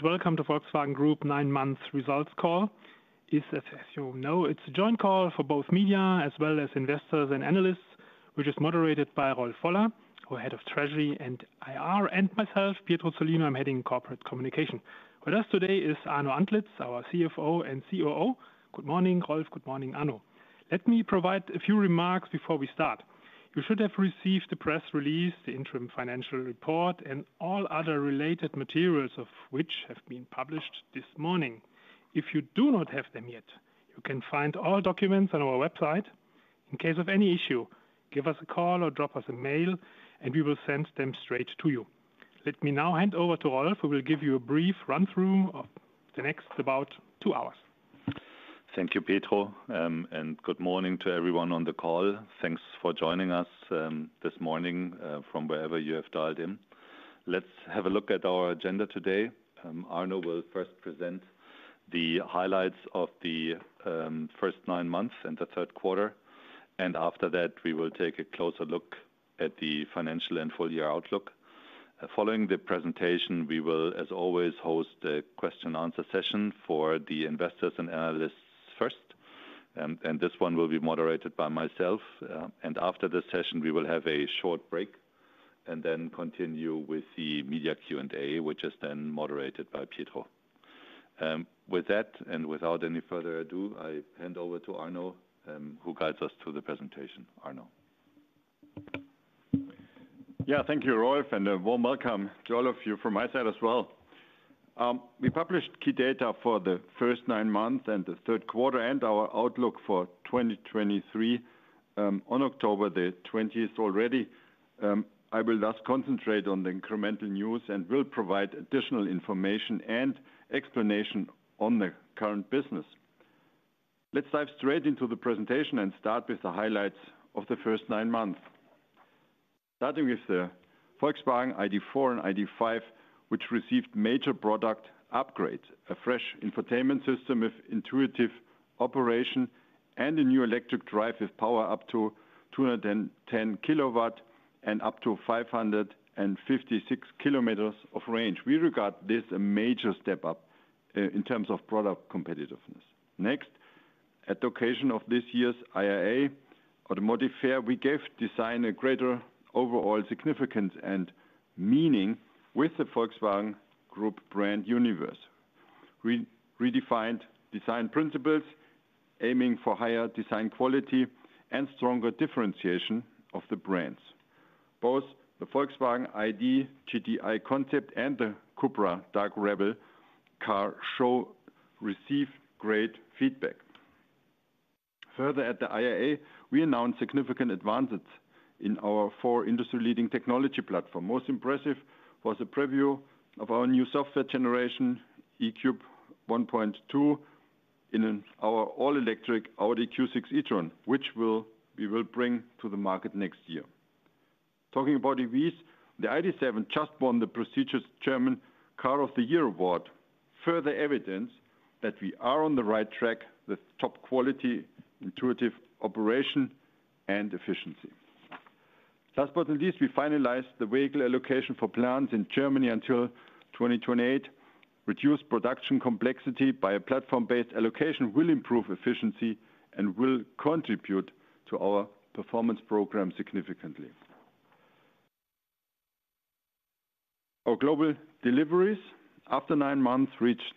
Welcome to Volkswagen Group nine months results call. This, as, as you know, it's a joint call for both media as well as investors and analysts, which is moderated by Rolf Woller, our Head of Treasury and IR, and myself, Pietro Zollino, I'm heading Corporate Communications. With us today is Arno Antlitz, our CFO and COO. Good morning, Rolf. Good morning, Arno. Let me provide a few remarks before we start. You should have received the press release, the interim financial report, and all other related materials of which have been published this morning. If you do not have them yet, you can find all documents on our website. In case of any issue, give us a call or drop us a mail, and we will send them straight to you. Let me now hand over to Rolf, who will give you a brief run-through of the next about two hours. Thank you, Pietro, and good morning to everyone on the call. Thanks for joining us this morning from wherever you have dialed in. Let's have a look at our agenda today. Arno will first present the highlights of the first nine months and the third quarter, and after that, we will take a closer look at the financial and full year outlook. Following the presentation, we will, as always, host a question and answer session for the investors and analysts first, and this one will be moderated by myself. After this session, we will have a short break and then continue with the media Q&A, which is then moderated by Pietro. With that, and without any further ado, I hand over to Arno, who guides us through the presentation. Arno? Yeah. Thank you, Rolf, and a warm welcome to all of you from my side as well. We published key data for the first nine months and the third quarter, and our outlook for 2023, on October 20th already. I will thus concentrate on the incremental news and will provide additional information and explanation on the current business. Let's dive straight into the presentation and start with the highlights of the first nine months. Starting with the Volkswagen ID.4 and ID.5, which received major product upgrades, a fresh infotainment system with intuitive operation, and a new electric drive with power up to 210 kW, and up to 556 km of range. We regard this a major step up in terms of product competitiveness. Next, at the occasion of this year's IAA Automotive Fair, we gave design a greater overall significance and meaning with the Volkswagen Group brand universe. We redefined design principles, aiming for higher design quality and stronger differentiation of the brands. Both the Volkswagen ID. GTI concept and the CUPRA DarkRebel car show received great feedback. Further, at the IAA, we announced significant advances in our four industry-leading technology platform. Most impressive was a preview of our new software generation, E3 1.2, in our all-electric Audi Q6 e-tron, which we will bring to the market next year. Talking about EVs, the ID.7 just won the prestigious German Car of the Year award, further evidence that we are on the right track with top quality, intuitive operation, and efficiency. Last but not least, we finalized the vehicle allocation for plants in Germany until 2028. Reduced production complexity by a platform-based allocation will improve efficiency and will contribute to our performance program significantly. Our global deliveries, after nine months, reached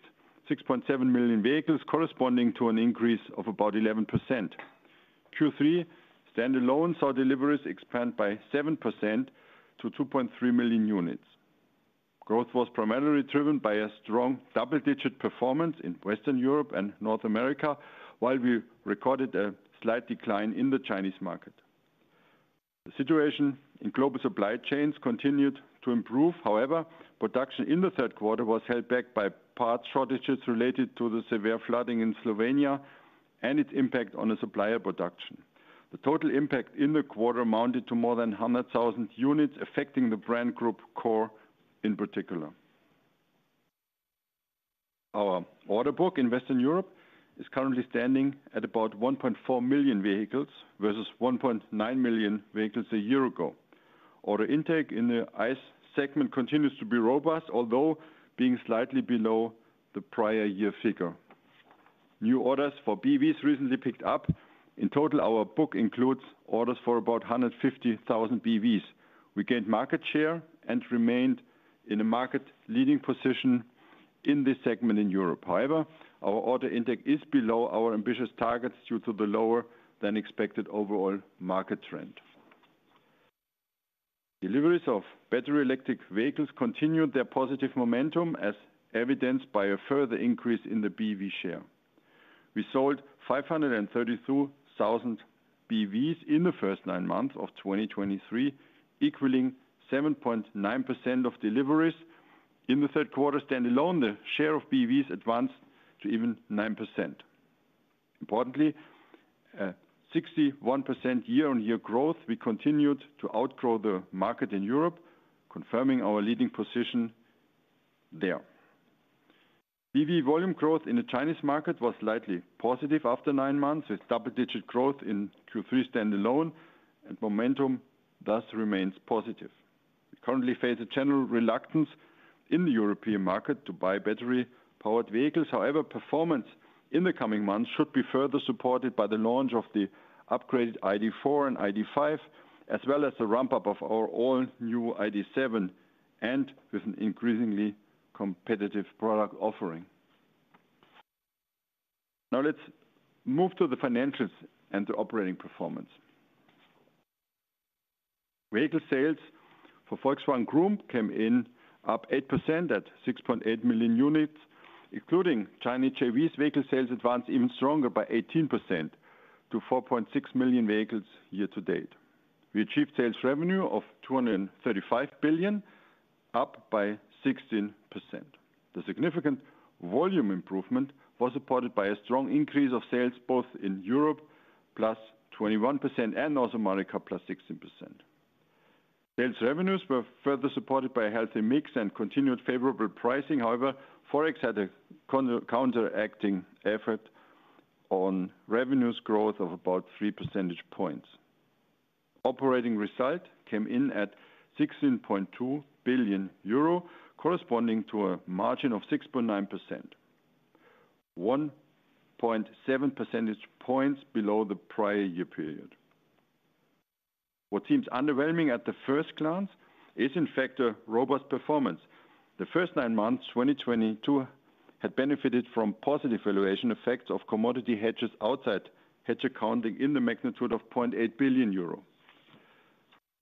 6.7 million vehicles, corresponding to an increase of about 11%. Q3 standalone saw deliveries expand by 7% to 2.3 million units. Growth was primarily driven by a strong double-digit performance in Western Europe and North America, while we recorded a slight decline in the Chinese market. The situation in global supply chains continued to improve. However, production in the third quarter was held back by parts shortages related to the severe flooding in Slovenia and its impact on the supplier production. The total impact in the quarter amounted to more than 100,000 units, Brand Group Core in particular. Our order book in Western Europe is currently standing at about 1.4 million vehicles, versus 1.9 million vehicles a year ago. Order intake in the ICE segment continues to be robust, although being slightly below the prior year figure. New orders for BEVs recently picked up. In total, our book includes orders for about 150,000 BEVs. We gained market share and remained in a market-leading position in this segment in Europe. However, our order intake is below our ambitious targets due to the lower-than-expected overall market trend. Deliveries of battery electric vehicles continued their positive momentum, as evidenced by a further increase in the BEV share. We sold 532,000 BEVs in the first nine months of 2023, equaling 7.9% of deliveries. In the third quarter, standalone, the share of BEVs advanced to even 9%. Importantly, at 61% year-on-year growth, we continued to outgrow the market in Europe, confirming our leading position there. EV volume growth in the Chinese market was slightly positive after nine months, with double-digit growth in Q3 standalone, and momentum thus remains positive. We currently face a general reluctance in the European market to buy battery-powered vehicles. However, performance in the coming months should be further supported by the launch of the upgraded ID.4 and ID.5, as well as the ramp-up of our all-new ID.7, and with an increasingly competitive product offering. Now, let's move to the financials and the operating performance. Vehicle sales for Volkswagen Group came in up 8% at 6.8 million units, including China JV's vehicle sales advanced even stronger by 18% to 4.6 million vehicles year-to-date. We achieved sales revenue of EUR 235 billion, up by 16%. The significant volume improvement was supported by a strong increase of sales, both in Europe, +21%, and North America, +16%. Sales revenues were further supported by a healthy mix and continued favorable pricing. However, Forex had a counteracting effect on revenues growth of about 3 percentage points. Operating result came in at 16.2 billion euro, corresponding to a margin of 6.9%, 1.7 percentage points below the prior year period. What seems underwhelming at the first glance is, in fact, a robust performance. The first nine months, 2022, had benefited from positive valuation effects of commodity hedges outside hedge accounting in the magnitude of 0.8 billion euro.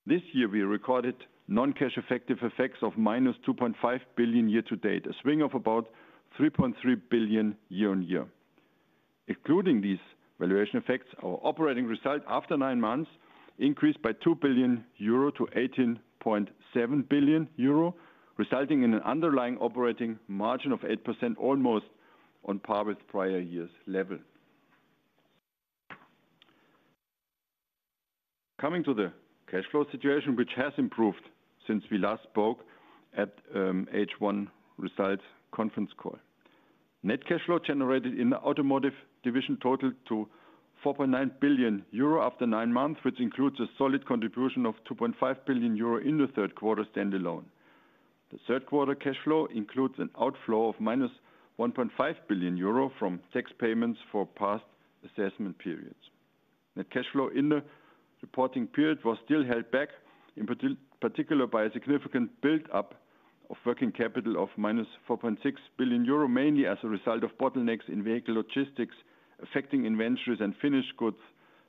This year, we recorded non-cash valuation effects of -2.5 billion year-to-date, a swing of about 3.3 billion year-on-year. Including these valuation effects, our operating result after nine months increased by 2 billion euro to 18.7 billion euro, resulting in an underlying operating margin of 8%, almost on par with prior year's level. Coming to the cash flow situation, which has improved since we last spoke at H1 results conference call. Net cash flow generated in the automotive division totaled to 4.9 billion euro after nine months, which includes a solid contribution of 2.5 billion euro in the third quarter standalone. The third quarter cash flow includes an outflow of -1.5 billion euro from tax payments for past assessment periods. Net cash flow in the reporting period was still held back, in particular, by a significant build-up of working capital of -4.6 billion euro, mainly as a result of bottlenecks in vehicle logistics, affecting inventories and finished goods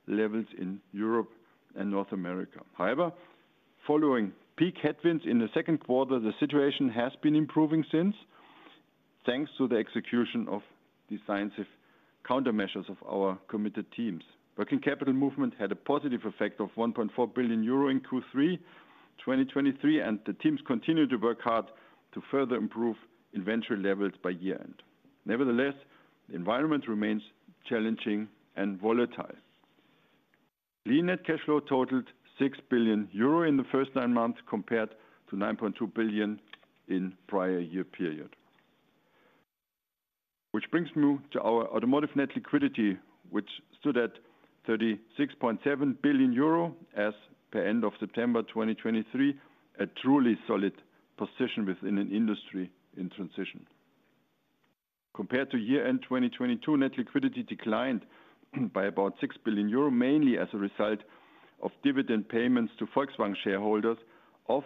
levels in Europe and North America. However, following peak headwinds in the second quarter, the situation has been improving since, thanks to the execution of decisive countermeasures of our committed teams. Working capital movement had a positive effect of 1.4 billion euro in Q3 2023, and the teams continue to work hard to further improve inventory levels by year-end. Nevertheless, the environment remains challenging and volatile. Free net cash flow totaled 6 billion euro in the first nine months, compared to 9.2 billion in prior year period. Which brings me to our automotive net liquidity, which stood at 36.7 billion euro as per end of September 2023, a truly solid position within an industry in transition. Compared to year-end 2022, net liquidity declined by about 6 billion euro, mainly as a result of dividend payments to Volkswagen shareholders of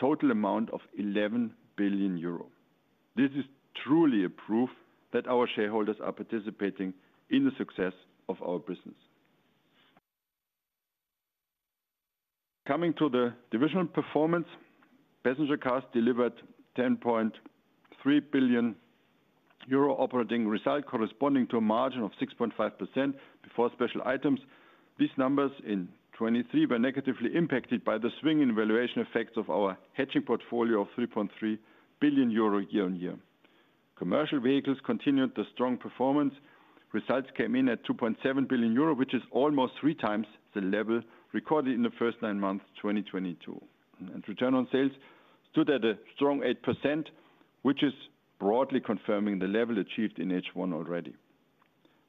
total amount of 11 billion euro. This is truly a proof that our shareholders are participating in the success of our business. Coming to the divisional performance, passenger cars delivered 10.3 billion euro operating result, corresponding to a margin of 6.5% before special items. These numbers in 2023 were negatively impacted by the swing in valuation effects of our hedging portfolio of 3.3 billion euro year-on-year. Commercial vehicles continued the strong performance. Results came in at 2.7 billion euro, which is almost three times the level recorded in the first 9 months, 2022. Return on sales stood at a strong 8%, which is broadly confirming the level achieved in H1 already.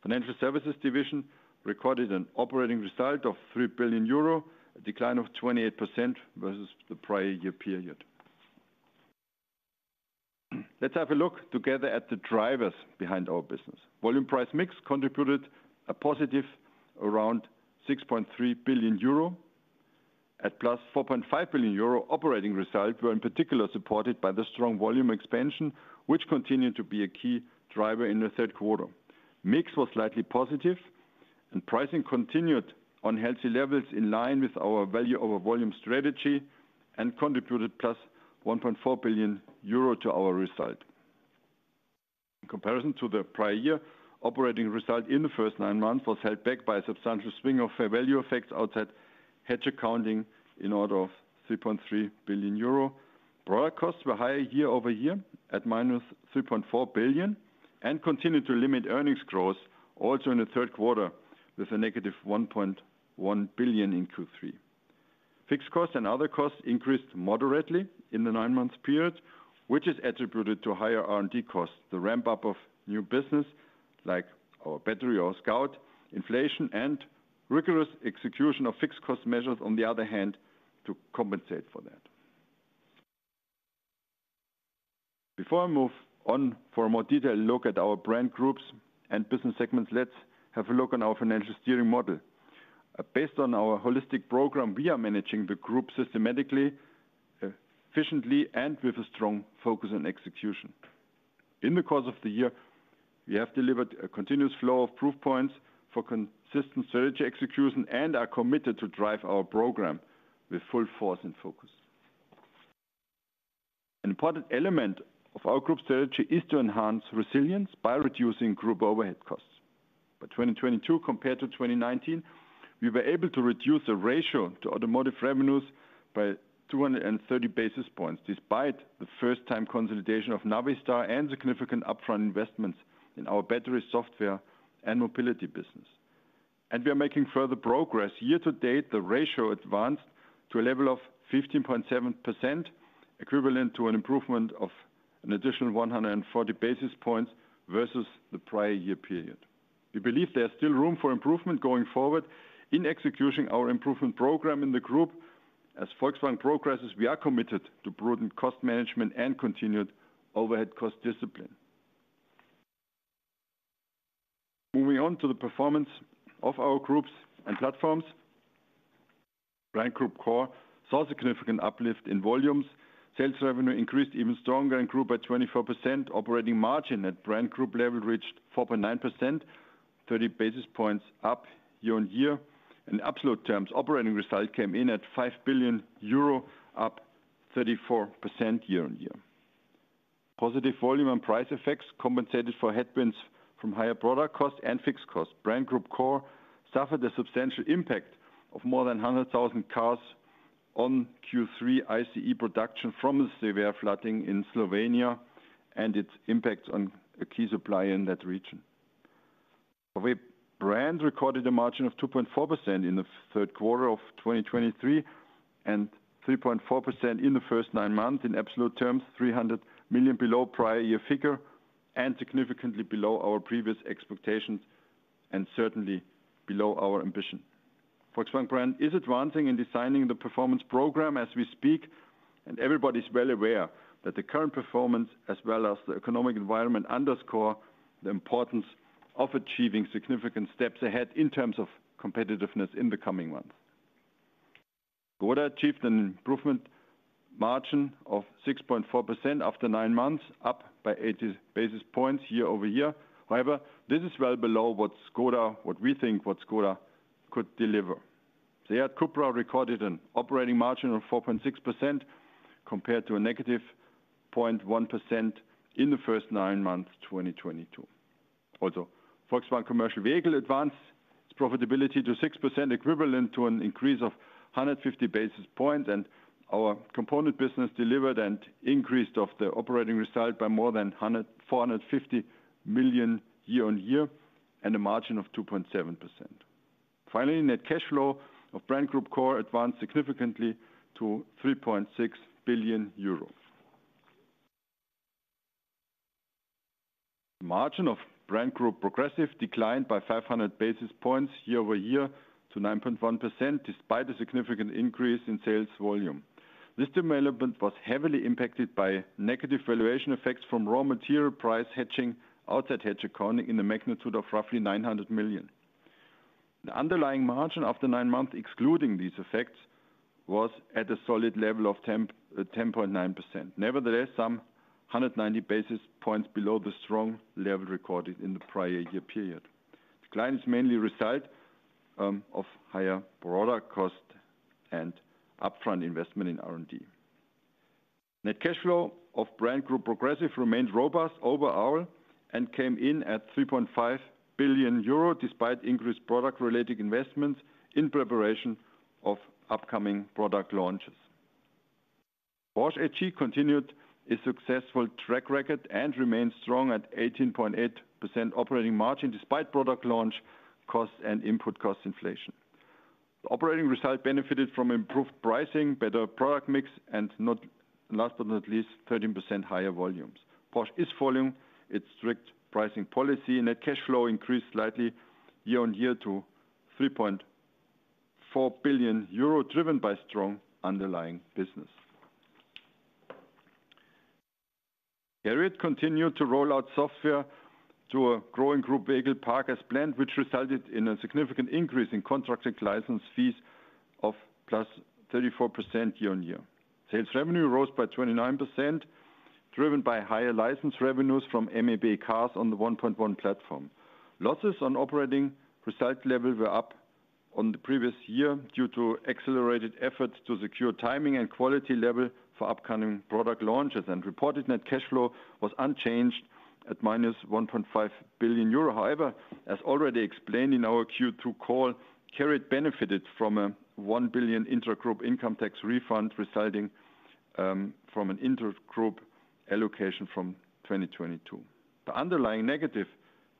Financial services division recorded an operating result of 3 billion euro, a decline of 28% versus the prior year period. Let's have a look together at the drivers behind our business. Volume price mix contributed a positive around 6.3 billion euro. At +4.5 billion euro, operating results were in particular supported by the strong volume expansion, which continued to be a key driver in the third quarter. Mix was slightly positive, and pricing continued on healthy levels in line with our value over volume strategy and contributed +1.4 billion euro to our result. In comparison to the prior year, operating result in the first nine months was held back by a substantial swing of fair value effects outside hedge accounting in order of 3.3 billion euro. Product costs were higher year-over-year at -3.4 billion and continued to limit earnings growth also in the third quarter, with a -1.1 billion in Q3. Fixed costs and other costs increased moderately in the nine-month period, which is attributed to higher R&D costs, the ramp-up of new business, like our battery or Scout, inflation, and rigorous execution of fixed cost measures, on the other hand, to compensate for that. Before I move on for a more detailed look at our brand groups and business segments, let's have a look on our financial steering model. Based on our holistic program, we are managing the group systematically, efficiently, and with a strong focus on execution. In the course of the year, we have delivered a continuous flow of proof points for consistent strategy execution and are committed to drive our program with full force and focus. An important element of our group strategy is to enhance resilience by reducing group overhead costs. By 2022 compared to 2019, we were able to reduce the ratio to automotive revenues by 230 basis points, despite the first-time consolidation of Navistar and the significant upfront investments in our battery, software, and mobility business. We are making further progress. year-to-date, the ratio advanced to a level of 15.7%, equivalent to an improvement of an additional 140 basis points versus the prior year period. We believe there is still room for improvement going forward in executing our improvement program in the group. As Volkswagen progresses, we are committed to prudent cost management and continued overhead cost discipline. Moving on to the performance of our groups and platforms. Brand Group Core saw a significant uplift in volumes. Sales revenue increased even stronger and grew by 24%. Operating margin at brand group level reached 4.9%, 30 basis points up year-on-year. In absolute terms, operating result came in at 5 billion euro, up 34% year-on-year. Positive volume and price effects compensated for headwinds from higher product costs and fixed costs. Brand Group Core suffered a substantial impact of more than 100,000 cars on Q3 ICE production from the severe flooding in Slovenia and its impact on a key supplier in that region. The brand recorded a margin of 2.4% in the third quarter of 2023, and 3.4% in the first nine months. In absolute terms, 300 million below prior year figure, and significantly below our previous expectations, and certainly below our ambition. Volkswagen brand is advancing in designing the performance program as we speak, and everybody's well aware that the current performance, as well as the economic environment, underscore the importance of achieving significant steps ahead in terms of competitiveness in the coming months. ŠKODA achieved an improvement margin of 6.4% after nine months, up by 80 basis points year-over-year. However, this is well below what ŠKODA, what we think, what ŠKODA could deliver. SEAT CUPRA recorded an operating margin of 4.6%, compared to a -0.1% in the first nine months, 2022. Also, Volkswagen Commercial Vehicles advanced its profitability to 6%, equivalent to an increase of 150 basis points, and our component business delivered an increase of the operating result by more than 450 million year-over-year and a margin of 2.7%. Finally, net cash flow of Brand Group Core advanced significantly to EUR 3.6 billion. Margin of Brand Group Progressive declined by 500 basis points year-over-year to 9.1%, despite a significant increase in sales volume. This development was heavily impacted by negative valuation effects from raw material price hedging, outside hedge accounting in the magnitude of roughly 900 million. The underlying margin after nine months, excluding these effects, was at a solid level of 10.9%. Nevertheless, some 190 basis points below the strong level recorded in the prior year period. Declines mainly result of higher product cost and upfront investment in R&D. Net cash flow of Brand Group Progressive remained robust overall and came in at 3.5 billion euro, despite increased product-related investments in preparation of upcoming product launches. Porsche AG continued its successful track record and remains strong at 18.8% operating margin, despite product launch costs and input cost inflation. The operating result benefited from improved pricing, better product mix, and not last but not least, 13% higher volumes. Porsche is following its strict pricing policy. Net cash flow increased slightly year-on-year to 3.4 billion euro, driven by strong underlying business. Audi continued to roll out software to a growing group vehicle park as planned, which resulted in a significant increase in contracted license fees of +34% year-on-year. Sales revenue rose by 29%, driven by higher license revenues from MEB cars on the 1.1 platform. Losses on operating result level were up on the previous year due to accelerated efforts to secure timing and quality level for upcoming product launches, and reported net cash flow was unchanged at -1.5 billion euro. However, as already explained in our Q2 call, Cariad benefited from a 1 billion intra-group income tax refund, resulting from an inter-group allocation from 2022. The underlying negative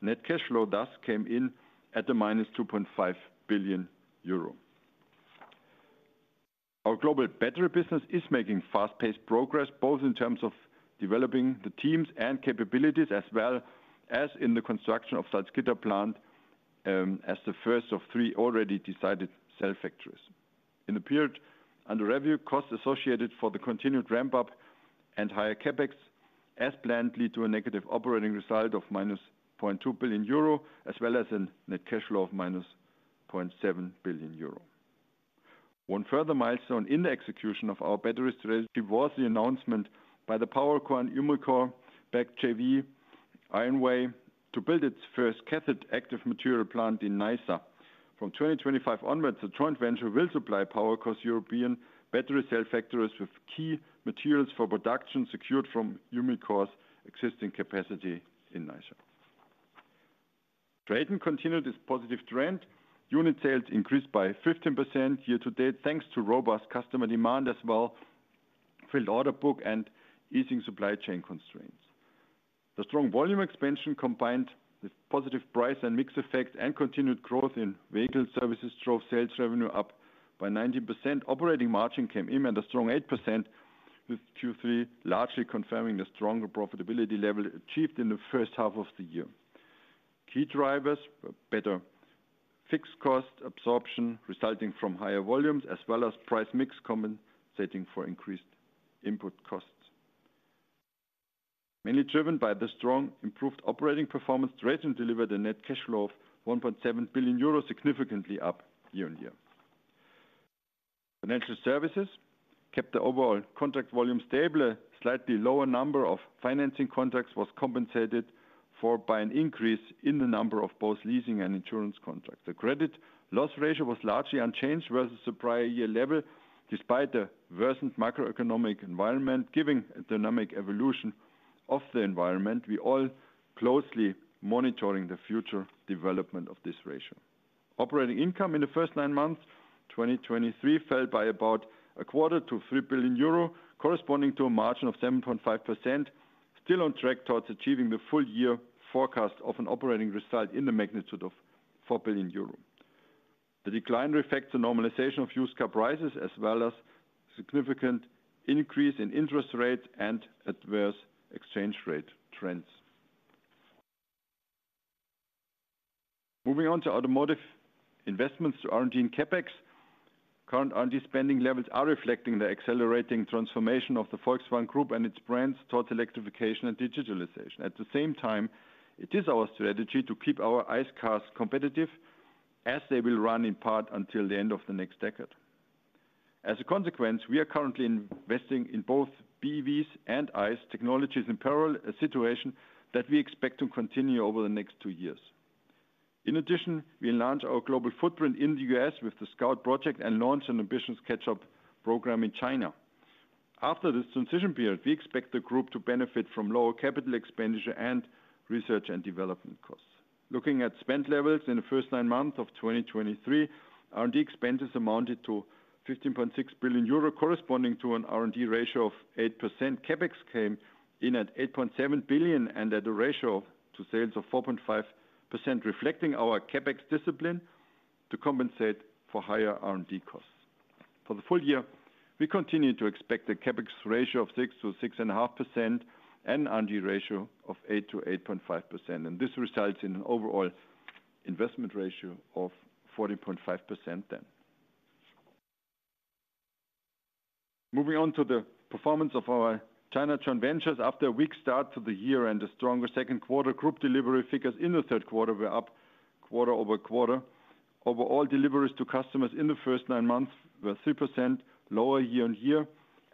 net cash flow thus came in at -2.5 billion euro. Our global battery business is making fast-paced progress, both in terms of developing the teams and capabilities, as well as in the construction of Salzgitter plant, as the first of three already decided cell factories. In the period under review, costs associated for the continued ramp-up and higher CapEx, as planned, lead to a negative operating result of -0.2 billion euro, as well as a net cash flow of -0.7 billion euro. One further milestone in the execution of our battery strategy was the announcement by the PowerCo and Umicore-backed JV, IONWAY, to build its first cathode active material plant in Nysa. From 2025 onwards, the joint venture will supply PowerCo's European battery cell factories with key materials for production, secured from Umicore's existing capacity in Nysa. TRATON continued this positive trend. Unit sales increased by 15% year-to-date, thanks to robust customer demand, as well filled order book and easing supply chain constraints. The strong volume expansion, combined with positive price and mix effects and continued growth in vehicle services, drove sales revenue up by 19%. Operating margin came in at a strong 8%, with Q3 largely confirming the stronger profitability level achieved in the first half of the year. Key drivers were better fixed cost absorption, resulting from higher volumes, as well as price mix, compensating for increased input costs. Mainly driven by the strongly improved operating performance, TRATON delivered a net cash flow of 1.7 billion euros, significantly up year-on-year. Financial services kept the overall contract volume stable. A slightly lower number of financing contracts was compensated for by an increase in the number of both leasing and insurance contracts. The credit loss ratio was largely unchanged versus the prior year level, despite the worsened macroeconomic environment. Given the dynamic evolution of the environment, we are all closely monitoring the future development of this ratio. Operating income in the first nine months, 2023, fell by about a quarter to 3 billion euro, corresponding to a margin of 7.5%, still on track towards achieving the full year forecast of an operating result in the magnitude of 4 billion euro. The decline reflects the normalization of used car prices, as well as significant increase in interest rate and adverse exchange rate trends. Moving on to automotive investments, to R&D and CapEx. Current R&D spending levels are reflecting the accelerating transformation of the Volkswagen Group and its brands towards electrification and digitalization. At the same time, it is our strategy to keep our ICE cars competitive, as they will run in part until the end of the next decade. As a consequence, we are currently investing in both BEVs and ICE technologies in parallel, a situation that we expect to continue over the next two years. In addition, we launch our global footprint in the U.S. with the Scout project and launch an ambitious catch-up program in China. After this transition period, we expect the group to benefit from lower capital expenditure and research and development costs. Looking at spend levels in the first nine months of 2023, R&D expenses amounted to 15.6 billion euro, corresponding to an R&D ratio of 8%. CapEx came in at 8.7 billion, and at a ratio to sales of 4.5%, reflecting our CapEx discipline to compensate for higher R&D costs. For the full year, we continue to expect a CapEx ratio of 6%-6.5% and R&D ratio of 8%-8.5%, and this results in an overall investment ratio of 14.5% then. Moving on to the performance of our China joint ventures. After a weak start to the year and a stronger second quarter, group delivery figures in the third quarter were up quarter-over-quarter. Overall, deliveries to customers in the first nine months were 3% lower year-on-year,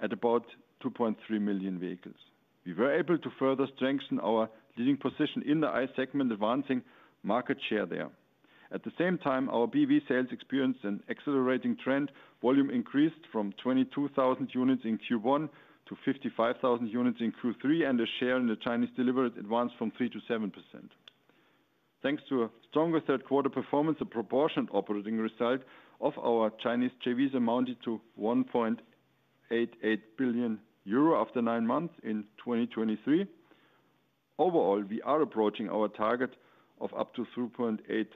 at about 2.3 million vehicles. We were able to further strengthen our leading position in the ICE segment, advancing market share there. At the same time, our BEV sales experienced an accelerating trend. Volume increased from 22,000 units in Q1 to 55,000 units in Q3, and the share in the Chinese deliveries advanced from 3%-7%. Thanks to a stronger third quarter performance, the proportionate operating result of our Chinese JVs amounted to 1.88 billion euro after nine months in 2023. Overall, we are approaching our target of up to 3.8 billion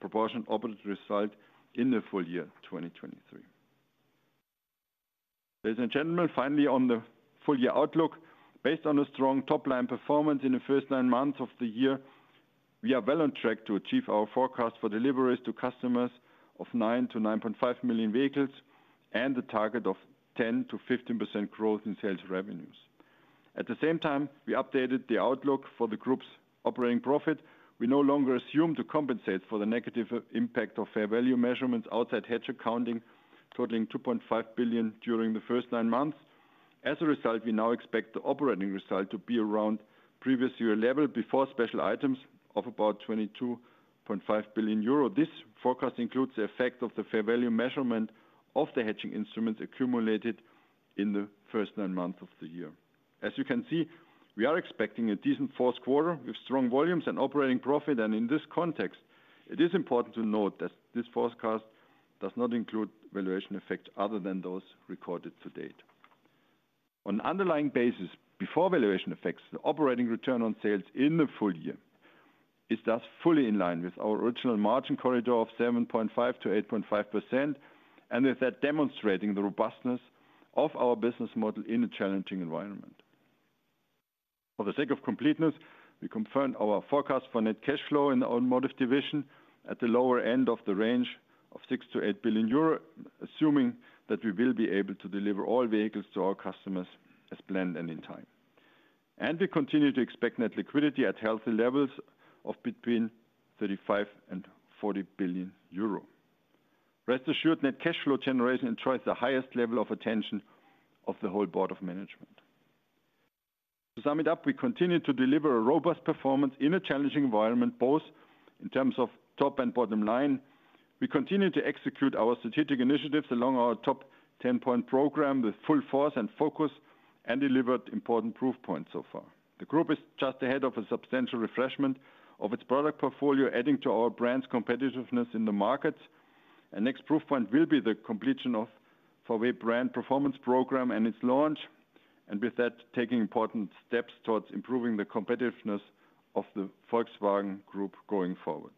proportionate operating result in the full year 2023. Ladies and gentlemen, finally, on the full year outlook. Based on a strong top-line performance in the first nine months of the year, we are well on track to achieve our forecast for deliveries to customers of 9-9.5 million vehicles and a target of 10%-15% growth in sales revenues. At the same time, we updated the outlook for the group's operating profit. We no longer assume to compensate for the negative impact of fair value measurements outside hedge accounting, totaling 2.5 billion during the first nine months. As a result, we now expect the operating result to be around previous year level before special items of about 22.5 billion euro. This forecast includes the effect of the fair value measurement of the hedging instruments accumulated in the first nine months of the year. As you can see, we are expecting a decent fourth quarter with strong volumes and operating profit. In this context, it is important to note that this forecast does not include valuation effects other than those recorded to date. On underlying basis, before valuation effects, the operating return on sales in the full year is thus fully in line with our original margin corridor of 7.5%-8.5%, and with that, demonstrating the robustness of our business model in a challenging environment. For the sake of completeness, we confirmed our forecast for net cash flow in the Automotive division at the lower end of the range of 6 billion-8 billion euro, assuming that we will be able to deliver all vehicles to our customers as planned and in time. We continue to expect net liquidity at healthy levels of between 35 billion and 40 billion euro. Rest assured, net cash flow generation enjoys the highest level of attention of the whole board of management. To sum it up, we continue to deliver a robust performance in a challenging environment, both in terms of top and bottom line. We continue to execute our strategic initiatives along our top 10-point program with full force and focus, and delivered important proof points so far. The group is just ahead of a substantial refreshment of its product portfolio, adding to our brand's competitiveness in the markets. Next proof point will be the completion of VW Brand Performance program and its launch, and with that, taking important steps towards improving the competitiveness of the Volkswagen Group going forward.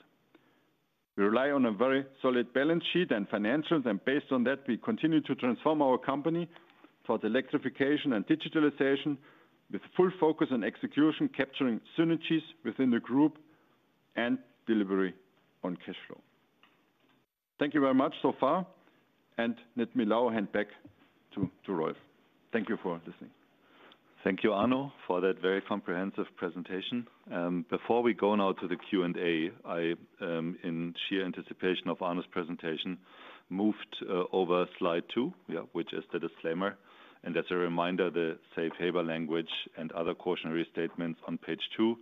We rely on a very solid balance sheet and financials, and based on that, we continue to transform our company towards electrification and digitalization, with full focus on execution, capturing synergies within the group and delivery on cash flow. Thank you very much so far, and let me now hand back to, to Rolf. Thank you for listening. Thank you, Arno, for that very comprehensive presentation. Before we go now to the Q&A, I, in sheer anticipation of Arno's presentation, moved over Slide 2, yeah, which is the disclaimer. As a reminder, the safe harbor language and other cautionary statements on Page 2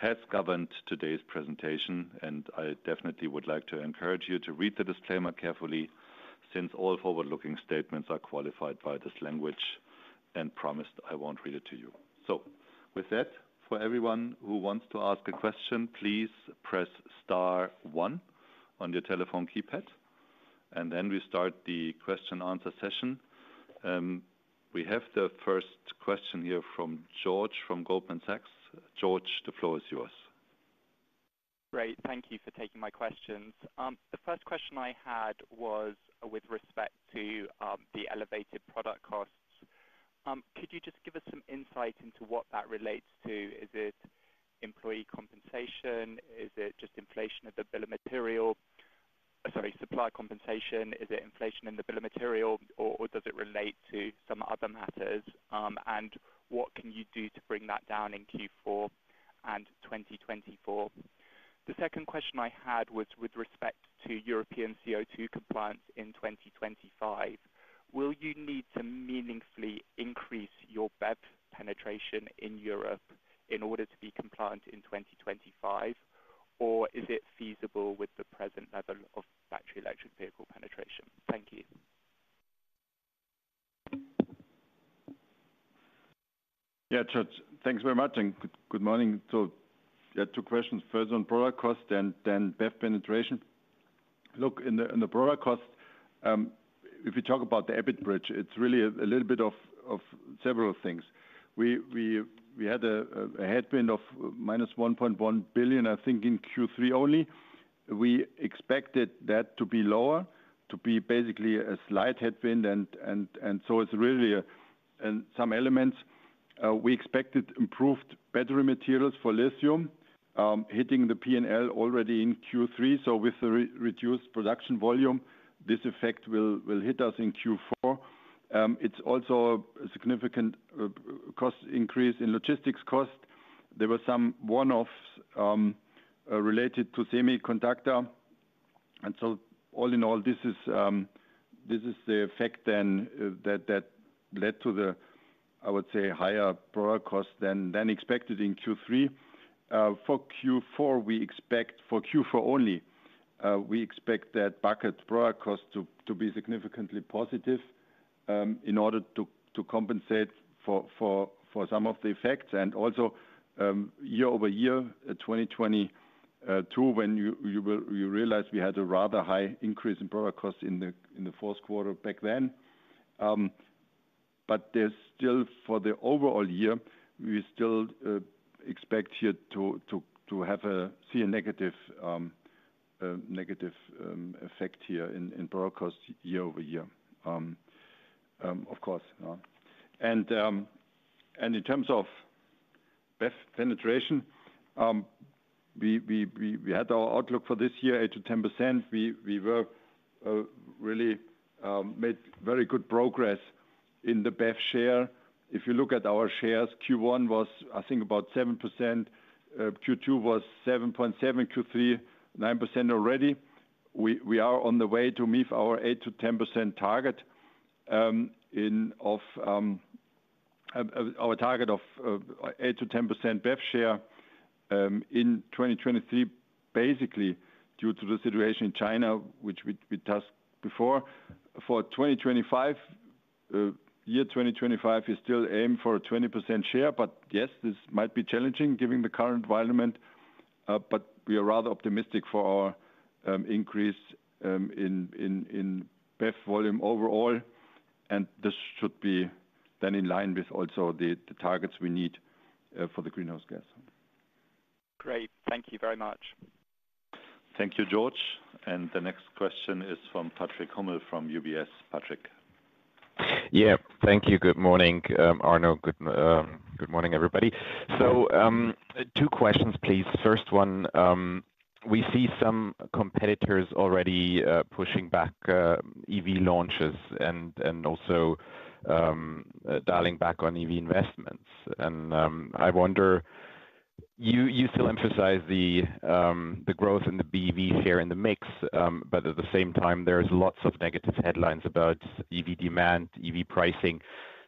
have governed today's presentation, and I definitely would like to encourage you to read the disclaimer carefully, since all forward-looking statements are qualified by this language. As promised, I won't read it to you. With that, for everyone who wants to ask a question, please press star one on your telephone keypad, and then we start the question and answer session. We have the first question here from George from Goldman Sachs. George, the floor is yours. Great, thank you for taking my questions. The first question I had was with respect to, the elevated product costs. Could you just give us some insight into what that relates to? Is it employee compensation? Is it just inflation of the bill of material. Sorry, supply compensation, is it inflation in the bill of material, or, or does it relate to some other matters? And what can you do to bring that down in Q4 and 2024? The second question I had was with respect to European CO2 compliance in 2025. Will you need to meaningfully increase your BEV penetration in Europe in order to be compliant in 2025, or is it feasible with the present level of battery electric vehicle penetration? Thank you. Yeah, George, thanks very much and good, good morning. So yeah, two questions. First, on product cost and then BEV penetration. Look, in the product cost, if you talk about the EBIT bridge, it's really a little bit of several things. We had a headwind of -1.1 billion, I think, in Q3 only. We expected that to be lower, to be basically a slight headwind, and so it's really in some elements we expected improved battery materials for lithium hitting the P&L already in Q3. So with the reduced production volume, this effect will hit us in Q4. It's also a significant cost increase in logistics cost. There were some one-offs related to semiconductor. All in all, this is the effect then that led to the, I would say, higher product cost than expected in Q3. For Q4, we expect for Q4 only that bucket product cost to be significantly positive in order to compensate for some of the effects, and also year-over-year 2022, when you realize we had a rather high increase in product cost in the fourth quarter back then. But there's still, for the overall year, we still expect here to see a negative effect here in product cost year-over-year, of course. In terms of BEV penetration, we had our outlook for this year, 8%-10%. We really made very good progress in the BEV share. If you look at our shares, Q1 was, I think, about 7%, Q2 was 7.7, Q3, 9% already. We are on the way to meet our 8%-10% target, our target of 8%-10% BEV share in 2023, basically due to the situation in China, which we discussed before. For 2025, year 2025, we still aim for a 20% share. But yes, this might be challenging given the current environment, but we are rather optimistic for our increase in BEV volume overall, and this should be then in line with also the targets we need for the greenhouse gas. Great. Thank you very much. Thank you, George. The next question is from Patrick Hummel, from UBS. Patrick? Yeah, thank you. Good morning, Arno. Good morning, everybody. So, two questions, please. First one, we see some competitors already pushing back EV launches and also dialing back on EV investments. And, I wonder, you still emphasize the growth in the BEVs here in the mix, but at the same time, there's lots of negative headlines about EV demand, EV pricing.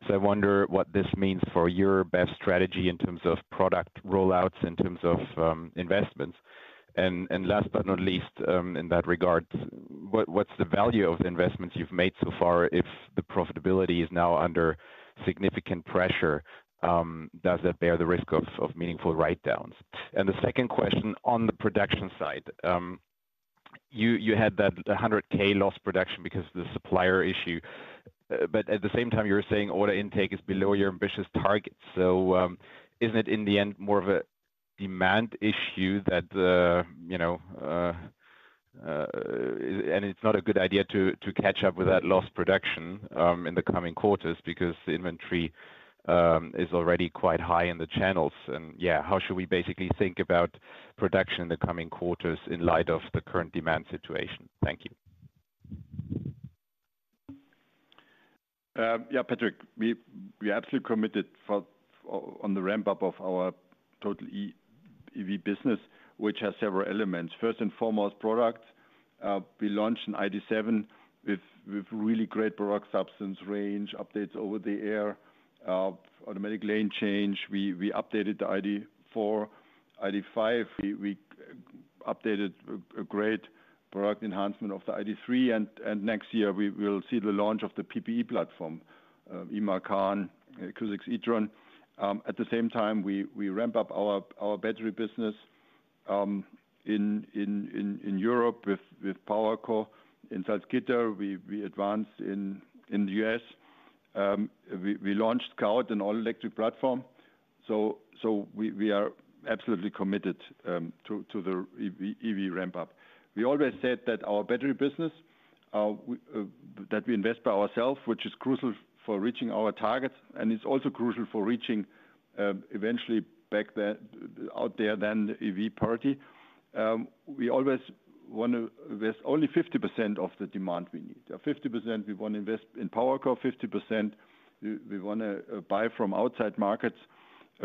So I wonder what this means for your best strategy in terms of product rollouts, in terms of investments. And, last but not least, in that regard, what's the value of the investments you've made so far if the profitability is now under significant pressure, does that bear the risk of meaningful write-downs? And the second question on the production side. You had that 100,000 production loss because of the supplier issue, but at the same time, you were saying order intake is below your ambitious targets. So, isn't it, in the end, more of a demand issue that the, you know... And it's not a good idea to catch up with that lost production in the coming quarters because the inventory is already quite high in the channels. And, yeah, how should we basically think about production in the coming quarters in light of the current demand situation? Thank you. Yeah, Patrick, we are absolutely committed on the ramp-up of our total EV business, which has several elements. First and foremost, product. We launched an ID.7 with really great product substance, range, updates over the air, automatic lane change. We updated the ID.4, ID.5. We updated a great product enhancement of the ID.3, and next year, we will see the launch of the PPE platform, Amarok, Audi e-tron. At the same time, we ramp up our battery business in Europe with PowerCo. In Salzgitter, we advanced in the U.S. We launched Scout, an all-electric platform. So we are absolutely committed to the EV ramp-up. We always said that our battery business, that we invest by ourselves, which is crucial for reaching our targets, and it's also crucial for reaching, eventually back then, out there, then the EV parity. We always want to... There's only 50% of the demand we need. 50%, we want to invest in PowerCo, 50%, we, we wanna, buy from outside markets.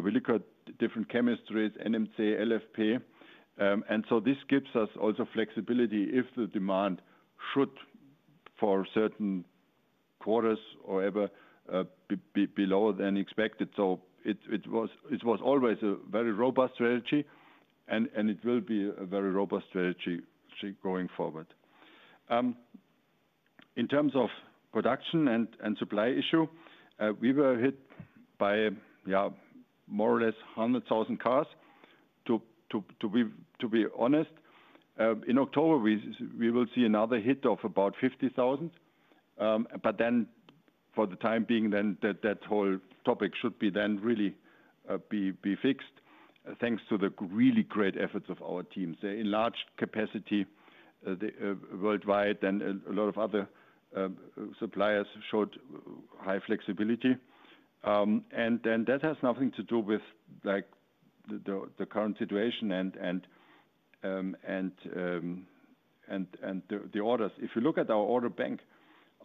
We look at different chemistries, NMC, LFP, and so this gives us also flexibility if the demand should, for certain quarters or ever, be, be below than expected. So it, it was, it was always a very robust strategy, and, and it will be a very robust strategy, going forward. In terms of production and supply issue, we were hit by more or less 100,000 cars, to be honest. In October, we will see another hit of about 50,000. But then for the time being, that whole topic should be then really fixed, thanks to the really great efforts of our teams. They enlarged capacity worldwide and a lot of other suppliers showed high flexibility. And then that has nothing to do with, like, the current situation and the orders. If you look at our order bank,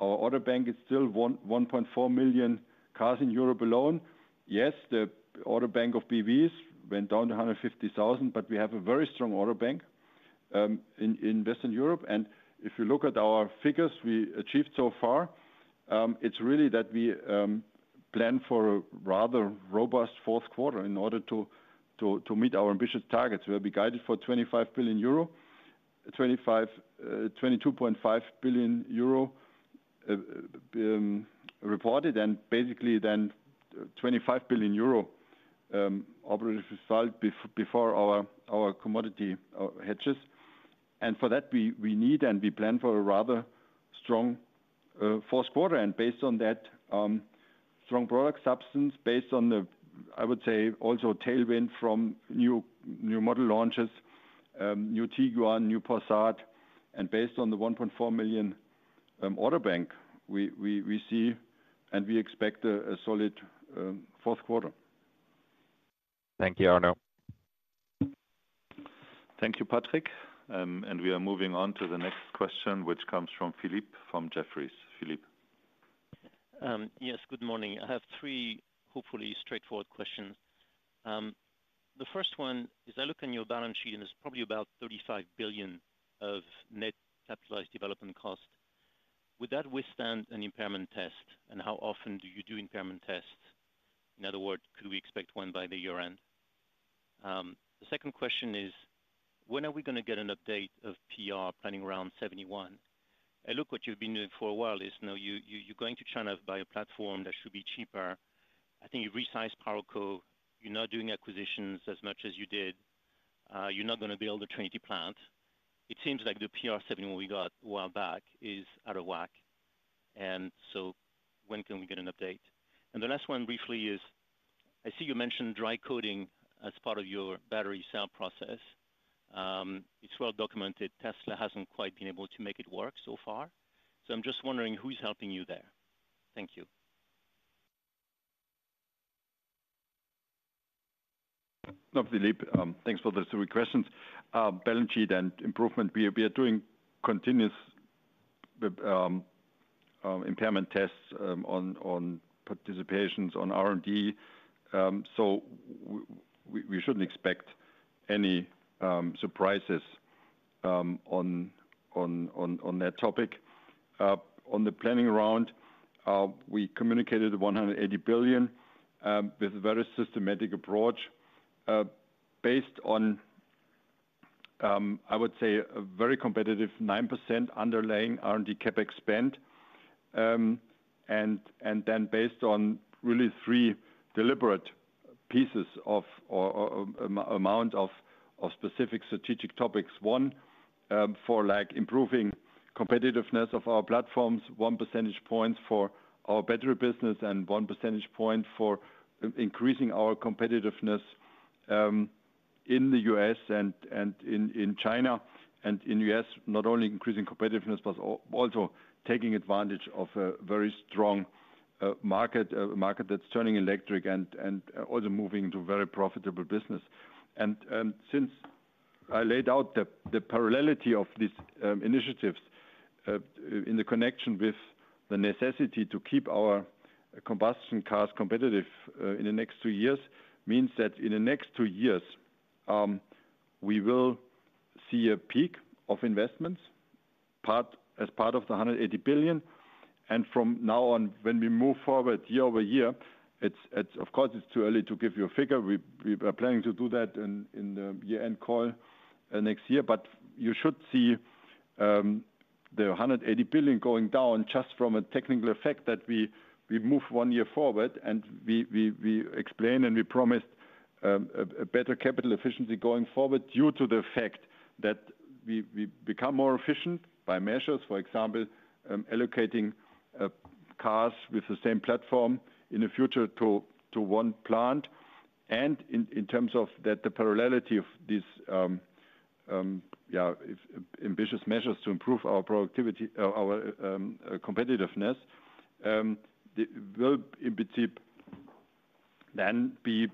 our order bank is still 1.4 million cars in Europe alone. Yes, the order bank of BEVs went down to 150,000, but we have a very strong order bank in Western Europe. And if you look at our figures we achieved so far, it's really that we plan for a rather robust fourth quarter in order to meet our ambitious targets. We'll be guided for 25 billion euro, 22.5 billion euro reported, and basically then 25 billion euro operating result before our commodity hedges. And for that, we need and we plan for a rather strong fourth quarter. Based on that strong product substance, based on the, I would say, also tailwind from new model launches, new Tiguan, new Passat, and based on the 1.4 million order bank, we see and we expect a solid fourth quarter. Thank you, Arno. Thank you, Patrick. We are moving on to the next question, which comes from Philippe, from Jefferies. Philippe? Yes, good morning. I have three hopefully straightforward questions. The first one is, I look on your balance sheet, and there's probably about 35 billion of net capitalized development cost. Would that withstand an impairment test, and how often do you do impairment tests? In other words, could we expect one by the year-end? The second question is: when are we going to get an update of PR Planning Round 71? And look, what you've been doing for a while is now you're going to try to buy a platform that should be cheaper. I think you've resized PowerCo. You're not doing acquisitions as much as you did. You're not going to build a Trinity plant. It seems like the PR 71 we got a while back is out of whack. And so when can we get an update? The last one briefly is, I see you mentioned dry coating as part of your battery cell process. It's well documented, Tesla hasn't quite been able to make it work so far, so I'm just wondering who's helping you there. Thank you. Look, Philippe, thanks for the three questions. Balance sheet and improvement, we are doing continuous impairment tests on participations on R&D. So we shouldn't expect any surprises on that topic. On the planning round, we communicated 180 billion with a very systematic approach based on, I would say, a very competitive 9% underlying R&D CapEx spend. And then based on really three deliberate pieces of, or amount of specific strategic topics. One for like improving competitiveness of our platforms, 1 percentage point for our battery business, and 1 percentage point for increasing our competitiveness in the U.S. and in China. And in U.S., not only increasing competitiveness, but also taking advantage of a very strong market that's turning electric and also moving into a very profitable business. And since I laid out the parallelity of these initiatives in the connection with the necessity to keep our combustion cars competitive in the next two years, means that in the next two years we will see a peak of investments, as part of the 180 billion. And from now on, when we move forward year-over-year, it's of course it's too early to give you a figure. We are planning to do that in the year-end call next year. But you should see the 180 billion going down just from a technical effect that we move one year forward and we explain and we promised a better capital efficiency going forward, due to the fact that we become more efficient by measures. For example, allocating cars with the same platform in the future to one plant. And in terms of that, the parallelity of these ambitious measures to improve our productivity, our competitiveness, will in principle then be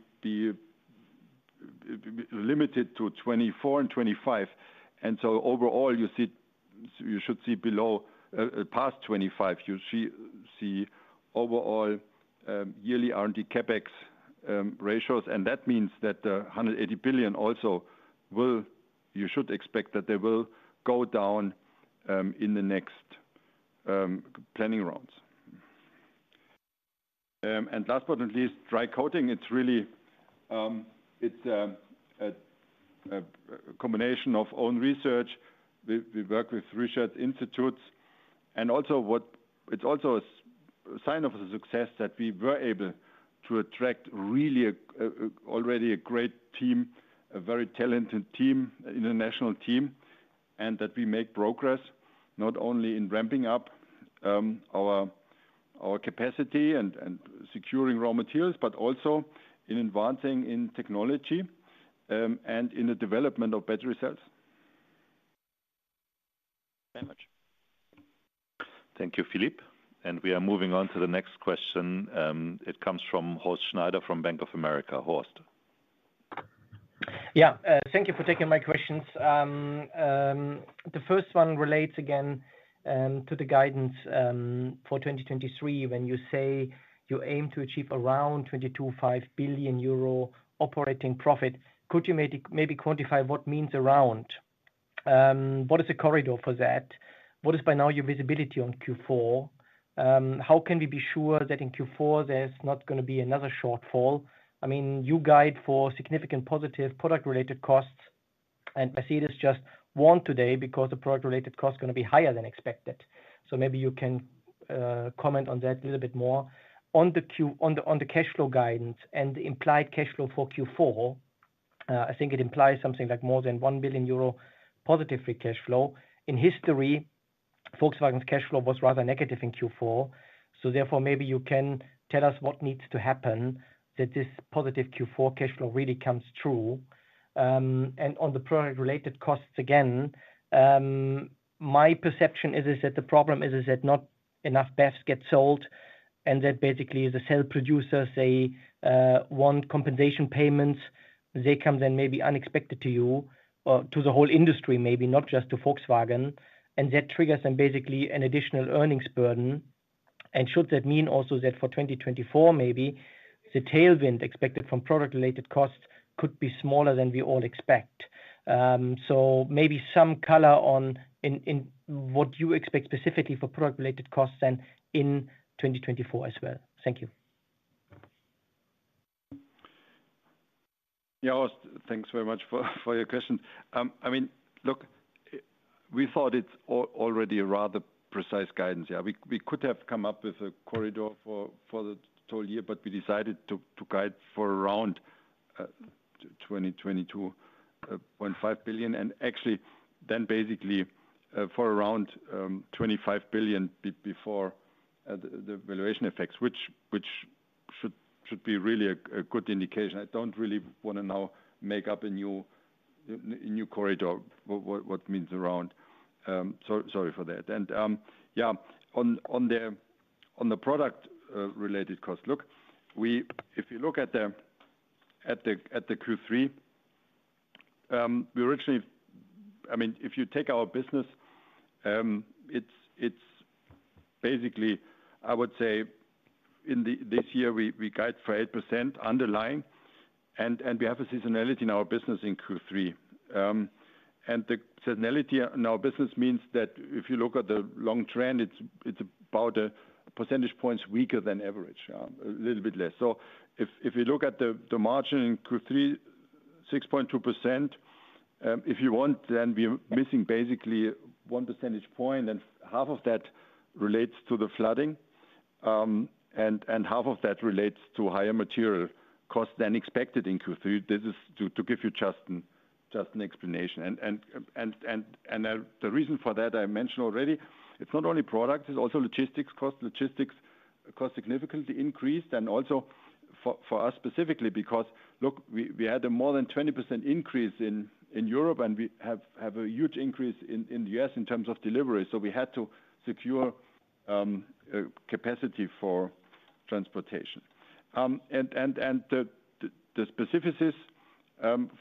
limited to 2024 and 2025. And so overall, you see, you should see below, past 2025, you see overall yearly R&D CapEx ratios. And that means that the 180 billion also will... You should expect that they will go down in the next planning rounds. Last but not least, dry coating. It's really a combination of own research. We work with research institutes and also, it's also a sign of the success that we were able to attract really already a great team, a very talented team, international team, and that we make progress not only in ramping up our capacity and securing raw materials, but also in advancing in technology and in the development of battery cells. Thank much. Thank you, Philippe. We are moving on to the next question. It comes from Horst Schneider from Bank of America. Horst? Yeah, thank you for taking my questions. The first one relates again to the guidance for 2023. When you say you aim to achieve around 22.5 billion euro operating profit, could you maybe, maybe quantify what means around? What is the corridor for that? What is by now your visibility on Q4? How can we be sure that in Q4 there's not going to be another shortfall? I mean, you guide for significant positive product-related costs, and I see this just warned today because the product-related cost is going to be higher than expected. So maybe you can comment on that a little bit more. On the cash flow guidance and the implied cash flow for Q4, I think it implies something like more than 1 billion euro positive free cash flow. In history, Volkswagen's cash flow was rather negative in Q4, so therefore, maybe you can tell us what needs to happen that this positive Q4 cash flow really comes true? And on the product-related costs, again, my perception is, is that the problem is, is that not enough BEVs get sold, and that basically the cell producers, they, want compensation payments. They come then maybe unexpected to you or to the whole industry, maybe not just to Volkswagen, and that triggers them basically an additional earnings burden. And should that mean also that for 2024, maybe, the tailwind expected from product-related costs could be smaller than we all expect? So maybe some color on, in, in what you expect specifically for product-related costs then in 2024 as well. Thank you. Yeah, Horst, thanks very much for your question. I mean, look, we thought it's already a rather precise guidance. Yeah, we could have come up with a corridor for the total year, but we decided to guide for around 22.5 billion, and actually then basically for around 25 billion before the valuation effects, which should be really a good indication. I don't really want to now make up a new corridor, what what means around. So sorry for that. And yeah, on the product related cost, look, we. If you look at the Q3, we originally... I mean, if you take our business, it's basically, I would say in the this year, we guide for 8% underlying, and we have a seasonality in our business in Q3. And the seasonality in our business means that if you look at the long trend, it's about a percentage points weaker than average, a little bit less. So if you look at the margin in Q3, 6.2%, if you want, then we're missing basically one percentage point, and half of that relates to the flooding, and half of that relates to higher material costs than expected in Q3. This is to give you just an explanation. The reason for that, I mentioned already, it's not only product, it's also logistics costs. Logistics cost significantly increased, and also for us specifically, because, look, we had a more than 20% increase in Europe, and we have a huge increase in the U.S. in terms of delivery. So we had to secure capacity for transportation. And the specificities